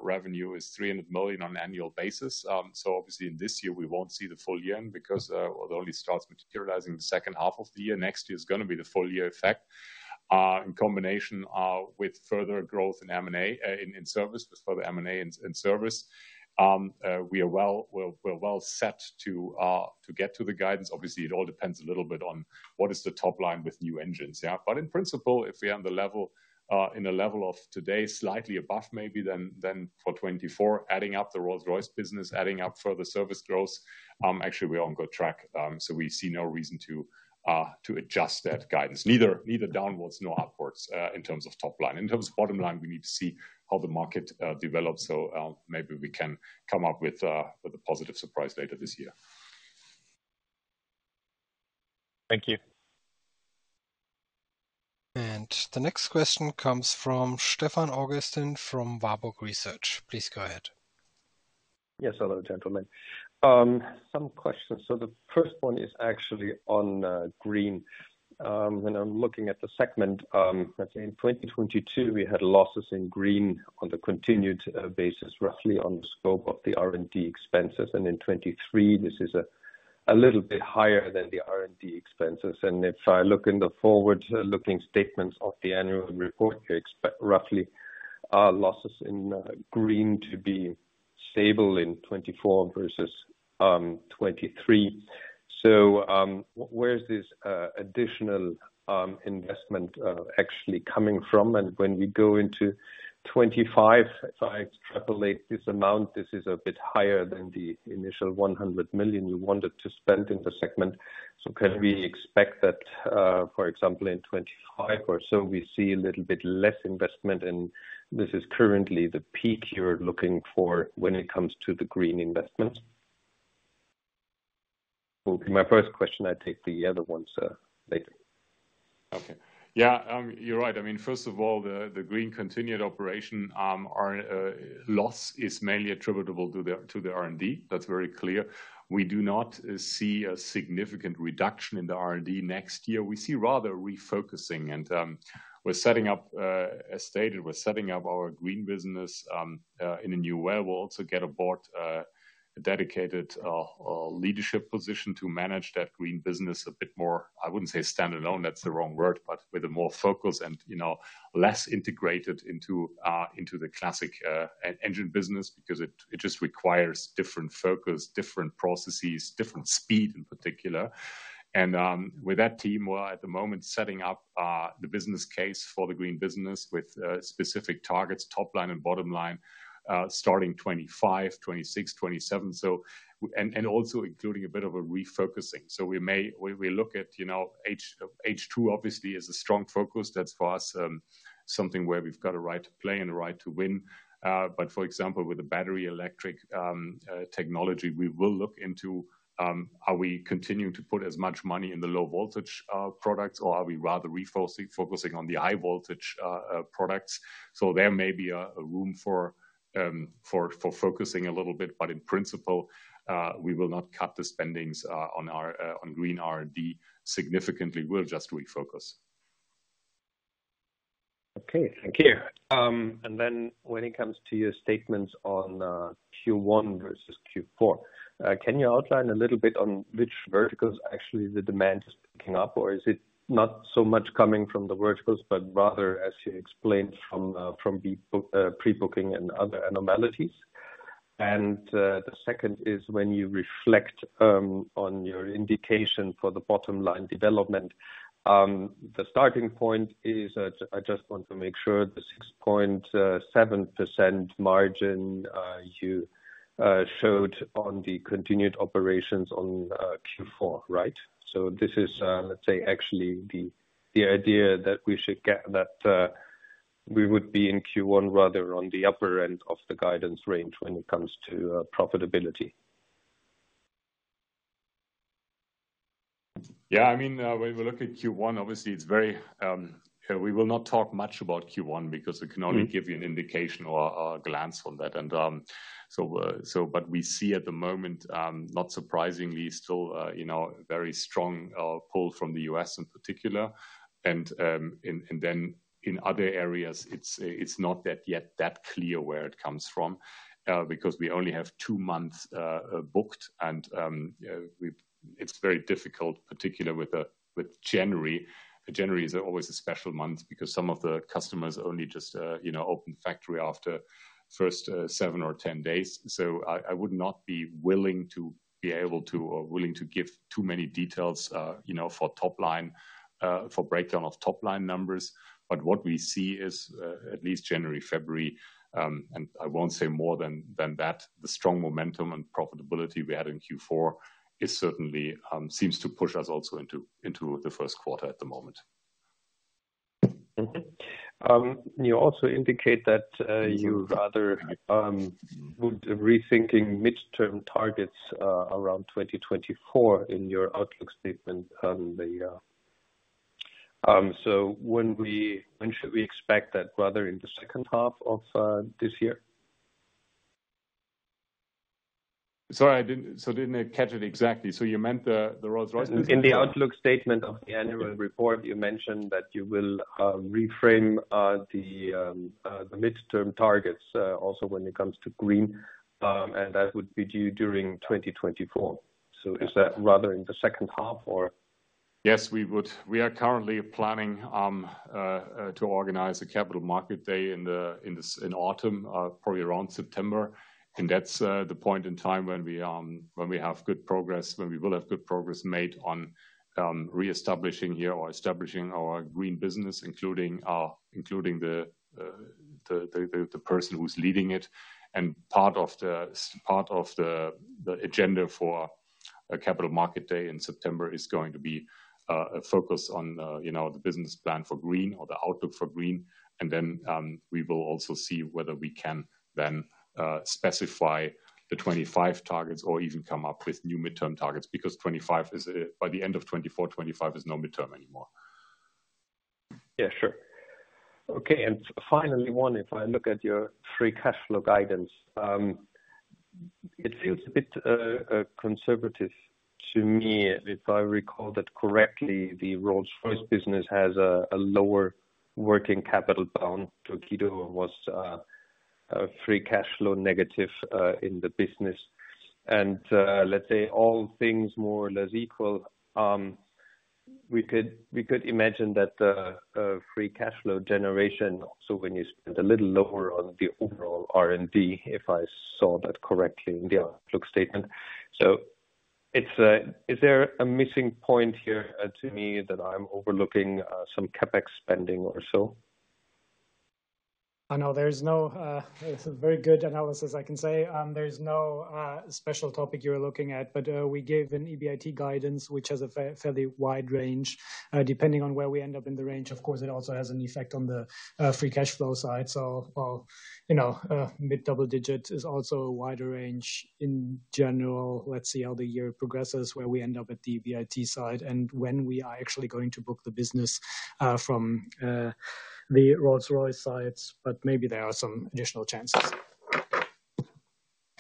revenue is 300 million on an annual basis. So obviously in this year, we won't see the full year because it only starts materializing in the second half of the year. Next year is gonna be the full year effect. In combination with further growth in M&A in service, with further M&A in service, we are well set to get to the guidance. Obviously, it all depends a little bit on what is the top line with new engines, yeah. But in principle, if we are on the level, in a level of today, slightly above maybe than, than for 2024, adding up the Rolls-Royce business, adding up further service growth, actually, we're on good track. So we see no reason to, to adjust that guidance, neither, neither downwards nor upwards, in terms of top line. In terms of bottom line, we need to see how the market develops. So, maybe we can come up with a, with a positive surprise later this year. Thank you. The next question comes from Stefan Augustin from Warburg Research. Please go ahead. Yes, hello, gentlemen. Some questions. So the first one is actually on green. When I'm looking at the segment, I think in 2022, we had losses in green on the continued basis, roughly on the scope of the R&D expenses, and in 2023, this is a little bit higher than the R&D expenses. And if I look in the forward-looking statements of the annual report, you expect roughly losses in green to be stable in 2024 versus 2023. So, where is this additional investment actually coming from? And when we go into 2025, if I extrapolate this amount, this is a bit higher than the initial 100 million you wanted to spend in the segment. So can we expect that, for example, in 2025 or so, we see a little bit less investment, and this is currently the peak you're looking for when it comes to the green investment? Will be my first question. I take the other ones, later.... Okay. Yeah, you're right. I mean, first of all, the green continued operation, our loss is mainly attributable to the R&D. That's very clear. We do not see a significant reduction in the R&D next year. We see rather refocusing, and we're setting up, as stated, we're setting up our green business in a new way. We'll also get on board a dedicated leadership position to manage that green business a bit more. I wouldn't say standalone, that's the wrong word, but with more focus and, you know, less integrated into the classic engine business, because it just requires different focus, different processes, different speed in particular. With that team, we're at the moment setting up the business case for the green business with specific targets, top line and bottom line, starting 2025, 2026, 2027. So, and also including a bit of a refocusing. So we may, we look at, you know, H, H2 obviously is a strong focus. That's for us, something where we've got a right to play and a right to win. But for example, with the battery electric technology, we will look into, are we continuing to put as much money in the low voltage products, or are we rather focusing on the high voltage products? So there may be a room for focusing a little bit, but in principle, we will not cut the spendings on our green R&D significantly. We'll just refocus. Okay, thank you. And then when it comes to your statements on Q1 versus Q4, can you outline a little bit on which verticals actually the demand is picking up? Or is it not so much coming from the verticals, but rather, as you explained, from the pre-booking and other anomalies? And the second is when you reflect on your indication for the bottom line development, the starting point is, I just want to make sure the 6.7% margin you showed on the continued operations on Q4, right? So this is, let's say, actually, the idea that we should get that we would be in Q1, rather on the upper end of the guidance range when it comes to profitability. Yeah, I mean, when we look at Q1, obviously, it's very... We will not talk much about Q1 because we can only- Mm-hmm. give you an indication or, or a glance on that. And, so but we see at the moment, not surprisingly, still, you know, very strong, pull from the US in particular. And, and then in other areas, it's, it's not that yet that clear where it comes from, because we only have two months, booked. And, you know, it's very difficult, particularly with January. January is always a special month because some of the customers only just, you know, open factory after first, seven or 10 days. So I, I would not be willing to be able to or willing to give too many details, you know, for top line, for breakdown of top-line numbers. What we see is at least January, February, and I won't say more than that, the strong momentum and profitability we had in Q4 is certainly seems to push us also into the Q1 at the moment. Mm-hmm. You also indicate that you rather would rethinking midterm targets around 2024 in your outlook statement on the. So when should we expect that, rather in the second half of this year? Sorry, I didn't catch it exactly. So you meant the, the Rolls-Royce? In the outlook statement of the annual report, you mentioned that you will reframe the midterm targets also when it comes to green, and that would be due during 2024. So is that rather in the second half or? Yes, we would. We are currently planning to organize a capital market day in autumn, probably around September. And that's the point in time when we, when we have good progress, when we will have good progress made on reestablishing here or establishing our green business, including the person who's leading it. And part of the agenda for a capital market day in September is going to be a focus on, you know, the business plan for green or the outlook for green. And then we will also see whether we can then specify the 2025 targets or even come up with new midterm targets, because 2025 is... By the end of 2024, 2025 is no midterm anymore. Yeah, sure. Okay, and finally, one, if I look at your free cash flow guidance, it feels a bit conservative to me. If I recall that correctly, the Rolls-Royce business has a lower working capital to acquire it and was free cash flow negative in the business. And, let's say all things more or less equal, we could imagine that the free cash flow generation, so when you spend a little lower on the overall R&D, if I saw that correctly in the outlook statement. So, is there a missing point here, to me, that I'm overlooking, some CapEx spending or so? I know there's no, it's a very good analysis, I can say. There's no, special topic you're looking at, but, we gave an EBIT guidance, which has a fairly wide range. Depending on where we end up in the range, of course, it also has an effect on the, free cash flow side. So, you know, mid double digit is also a wider range in general. Let's see how the year progresses, where we end up at the EBIT side, and when we are actually going to book the business, from, the Rolls-Royce side, but maybe there are some additional chances.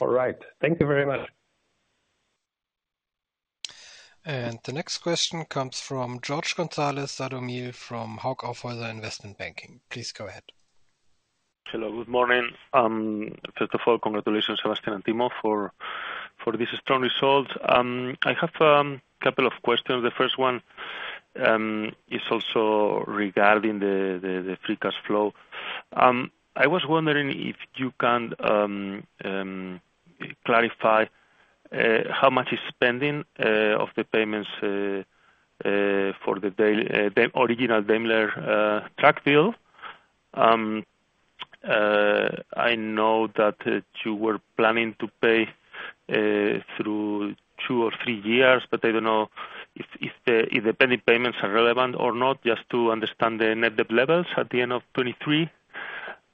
All right. Thank you very much.... And the next question comes from Jorge González Sadornil from Hauck Aufhäuser Investment Banking. Please go ahead. Hello, good morning. First of all, congratulations, Sebastian and Timo, for this strong result. I have a couple of questions. The first one is also regarding the free cash flow. I was wondering if you can clarify how much is spending of the payments for the original Daimler truck deal. I know that you were planning to pay through two or three years, but I don't know if the pending payments are relevant or not, just to understand the net debt levels at the end of 2023.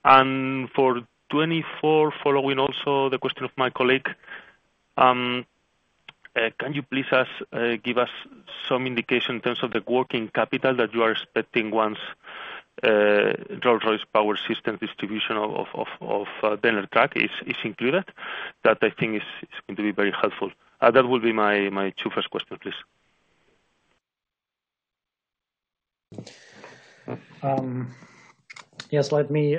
And for 2024, following also the question of my colleague, can you please give us some indication in terms of the working capital that you are expecting once Rolls-Royce Power Systems distribution of Daimler Truck is going to be very helpful? That will be my two first question, please. Yes, let me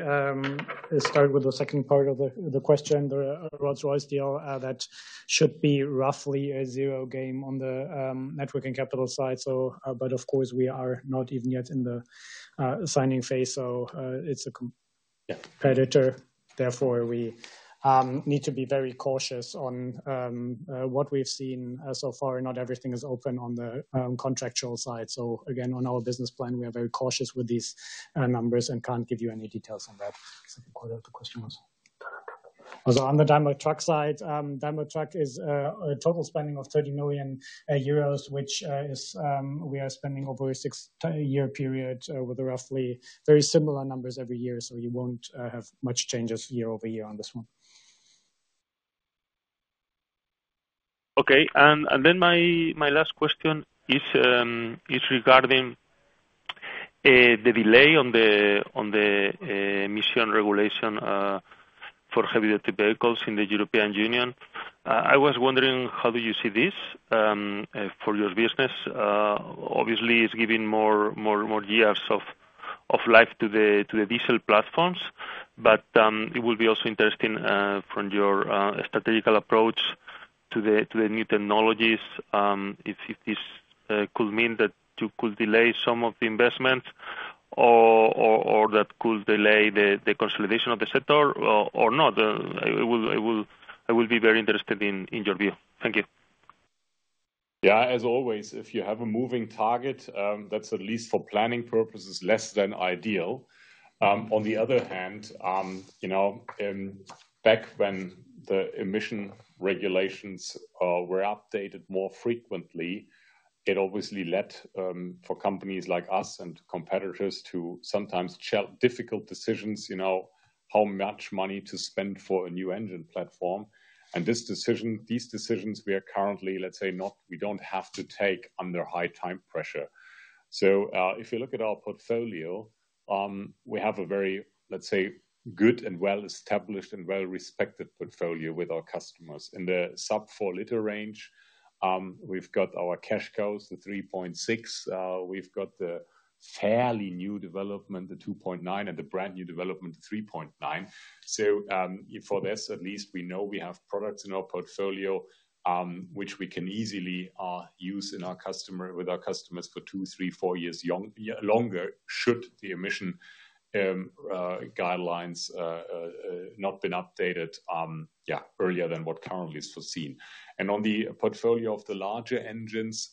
start with the second part of the question. The Rolls-Royce deal that should be roughly a zero game on the working capital side, so but of course, we are not even yet in the signing phase, so, it's a com- Yeah. -competitor, therefore, we need to be very cautious on what we've seen so far. Not everything is open on the contractual side. So again, on our business plan, we are very cautious with these numbers and can't give you any details on that. So the part of the question was? Also, on the Daimler Truck side, Daimler Truck is a total spending of 30 million euros, which is, we are spending over a six-year period with roughly very similar numbers every year, so you won't have much changes year-over-year on this one. Okay. Then my last question is regarding the delay on the emission regulation for heavy duty vehicles in the European Union. I was wondering, how do you see this for your business? Obviously, it's giving more years of life to the diesel platforms, but it will be also interesting from your statistical approach to the new technologies, if this could mean that you could delay some of the investments or that could delay the consolidation of the sector or not. I will be very interested in your view. Thank you. Yeah, as always, if you have a moving target, that's at least for planning purposes, less than ideal. On the other hand, you know, back when the emission regulations were updated more frequently, it obviously led for companies like us and competitors to sometimes chart difficult decisions, you know, how much money to spend for a new engine platform. And this decision, these decisions, we are currently, let's say, not, we don't have to take under high time pressure. So, if you look at our portfolio, we have a very, let's say, good and well-established and well-respected portfolio with our customers. In the sub-4-liter range, we've got our cash cows, the 3.6. We've got the fairly new development, the 2.9, and the brand-new development, the 3.9. For this, at least we know we have products in our portfolio, which we can easily use with our customers for 2, 3, 4 years or longer, should the emission not been updated, yeah, earlier than what currently is foreseen. On the portfolio of the larger engines,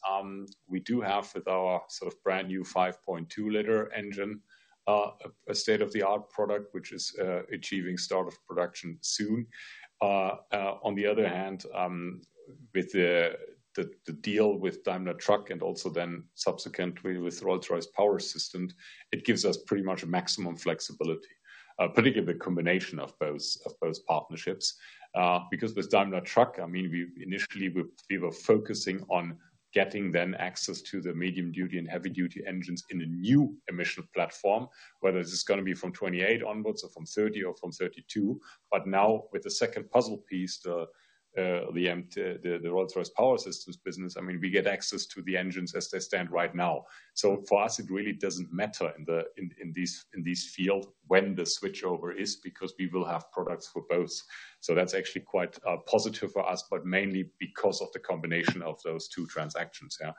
we do have with our sort of brand-new 5.2-liter engine a state-of-the-art product, which is achieving start of production soon. On the other hand, with the deal with Daimler Truck and also then subsequently with Rolls-Royce Power Systems, it gives us pretty much maximum flexibility, particularly the combination of both partnerships. Because with Daimler Truck, I mean, we initially were focusing on getting then access to the medium-duty and heavy-duty engines in a new emission platform, whether this is gonna be from 2028 onwards or from 2030 or from 2032. But now, with the second puzzle piece, the Rolls-Royce Power Systems business, I mean, we get access to the engines as they stand right now. So for us, it really doesn't matter in this field when the switchover is, because we will have products for both. So that's actually quite positive for us, but mainly because of the combination of those two transactions. Yeah.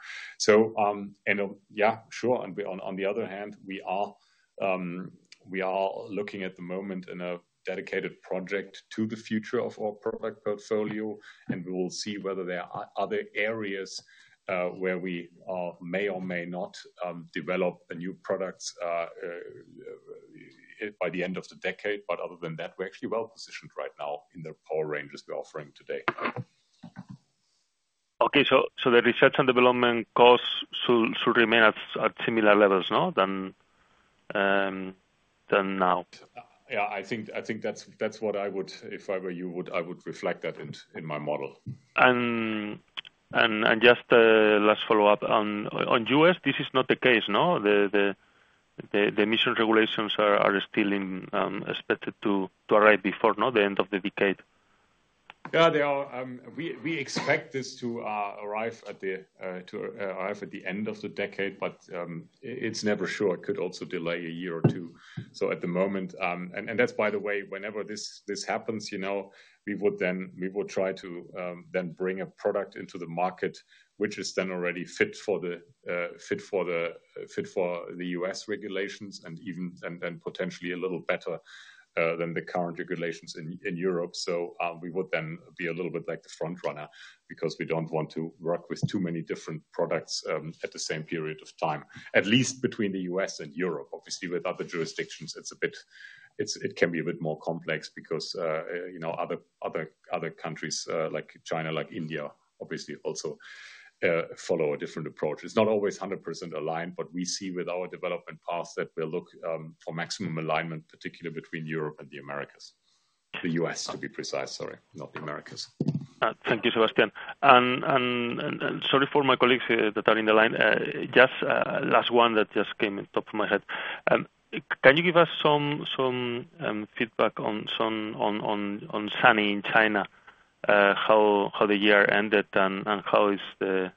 On the other hand, we are looking at the moment in a dedicated project to the future of our product portfolio, and we will see whether there are other areas where we may or may not develop the new products by the end of the decade. But other than that, we're actually well positioned right now in the power ranges we're offering today. Okay, so the research and development costs should remain at similar levels, no, than now? Yeah, I think that's what I would... If I were you, I would reflect that in my model. Just last follow-up. On US, this is not the case, no? The emission regulations are still expected to arrive before, not the end of the decade? Yeah, they are. We expect this to arrive at the end of the decade, but it's never sure. It could also delay a year or two. So at the moment... And that's by the way, whenever this happens, you know, we would then we will try to then bring a product into the market, which is then already fit for the US regulations, and even and then potentially a little better than the current regulations in Europe. So we would then be a little bit like the front runner, because we don't want to work with too many different products at the same period of time, at least between the US and Europe. Obviously, with other jurisdictions, it's a bit more complex because, you know, other countries, like China, like India, obviously also, follow a different approach. It's not always 100% aligned, but we see with our development path that we look for maximum alignment, particularly between Europe and the Americas. The US, to be precise, sorry, not the Americas. Thank you, Sebastian. Sorry for my colleagues that are in the line. Just last one that just came in top of my head. Can you give us some feedback on SANY in China? How the year ended and how the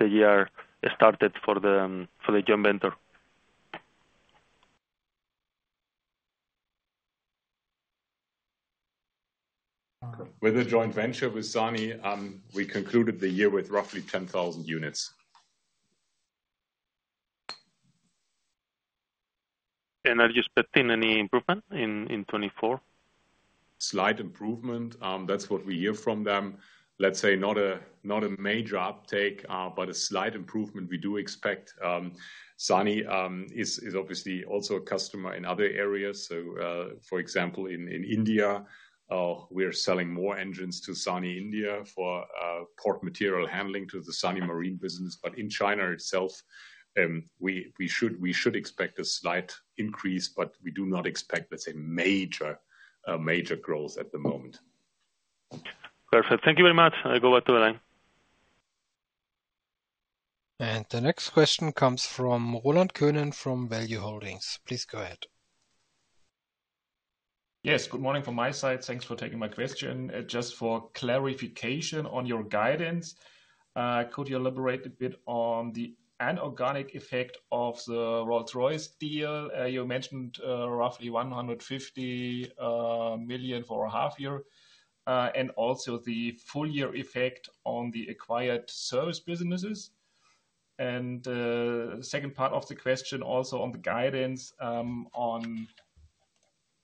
year started for the joint venture? With the joint venture with SANY, we concluded the year with roughly 10,000 units. Are you expecting any improvement in 2024? Slight improvement, that's what we hear from them. Let's say not a, not a major uptake, but a slight improvement we do expect. SANY is obviously also a customer in other areas. So, for example, in India, we are selling more engines to SANY India for port material handling to the SANY Marine business. But in China itself, we should expect a slight increase, but we do not expect, let's say, major growth at the moment. Perfect. Thank you very much. I go back to the line. The next question comes from Roland Konen, from Value Holdings. Please go ahead. Yes, good morning from my side. Thanks for taking my question. Just for clarification on your guidance, could you elaborate a bit on the inorganic effect of the Rolls-Royce deal? You mentioned, roughly 150 million for a half year, and also the full year effect on the acquired service businesses. And, the second part of the question, also on the guidance, on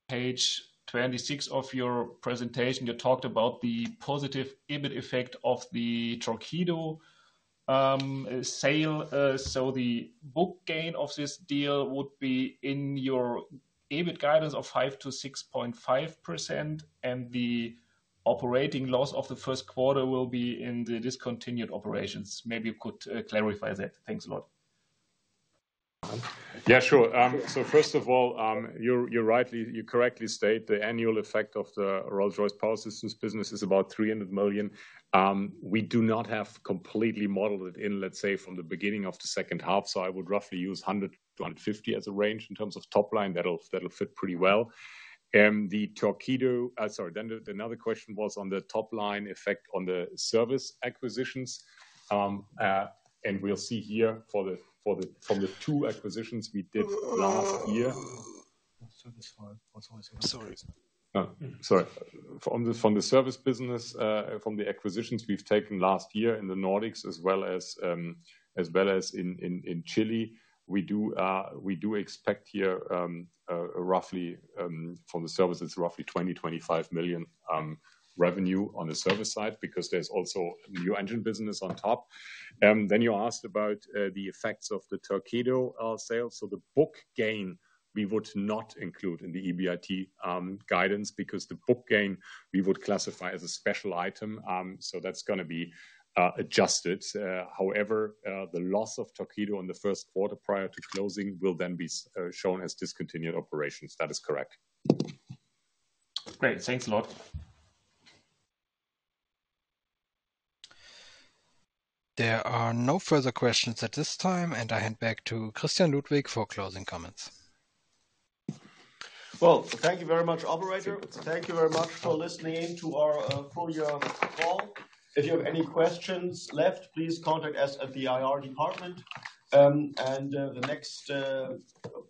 page 26 of your presentation, you talked about the positive EBIT effect of the Torqeedo sale. So the book gain of this deal would be in your EBIT guidance of 5%-6.5%, and the operating loss of the Q1 will be in the discontinued operations. Maybe you could clarify that. Thanks a lot. Yeah, sure. So first of all, you're rightly – you correctly state the annual effect of the Rolls-Royce Power Systems business is about 300 million. We do not have completely modeled it in, let's say, from the beginning of the second half, so I would roughly use 100-150 as a range in terms of top line. That'll fit pretty well. The Torqeedo... Sorry, then the another question was on the top line effect on the service acquisitions. And we'll see here for the – from the two acquisitions we did last year. Sorry. Sorry. From the service business, from the acquisitions we've taken last year in the Nordics, as well as in Chile, we do expect here roughly from the services, roughly 20 million-25 million revenue on the service side, because there's also new engine business on top. Then you asked about the effects of the Torqeedo sale. So the book gain, we would not include in the EBIT guidance, because the book gain we would classify as a special item. So that's gonna be adjusted. However, the loss of Torqeedo in the Q1 prior to closing will then be shown as discontinued operations. That is correct. Great. Thanks a lot. There are no further questions at this time, and I hand back to Christian Ludwig for closing comments. Well, thank you very much, operator. Thank you very much for listening to our full year call. If you have any questions left, please contact us at the IR department. And the next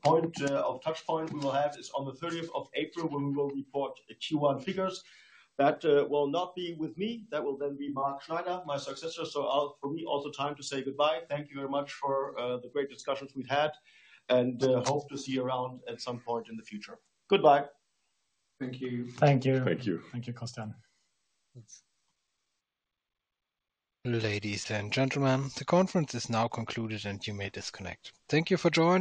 point or touch point we will have is on the thirtieth of April, when we will report the Q1 figures. That will not be with me. That will then be Mark Schneider, my successor. So I'll, for me, also time to say goodbye. Thank you very much for the great discussions we've had, and hope to see you around at some point in the future. Goodbye. Thank you. Thank you. Thank you. Thank you, Christian. Ladies and gentlemen, the conference is now concluded, and you may disconnect. Thank you for joining.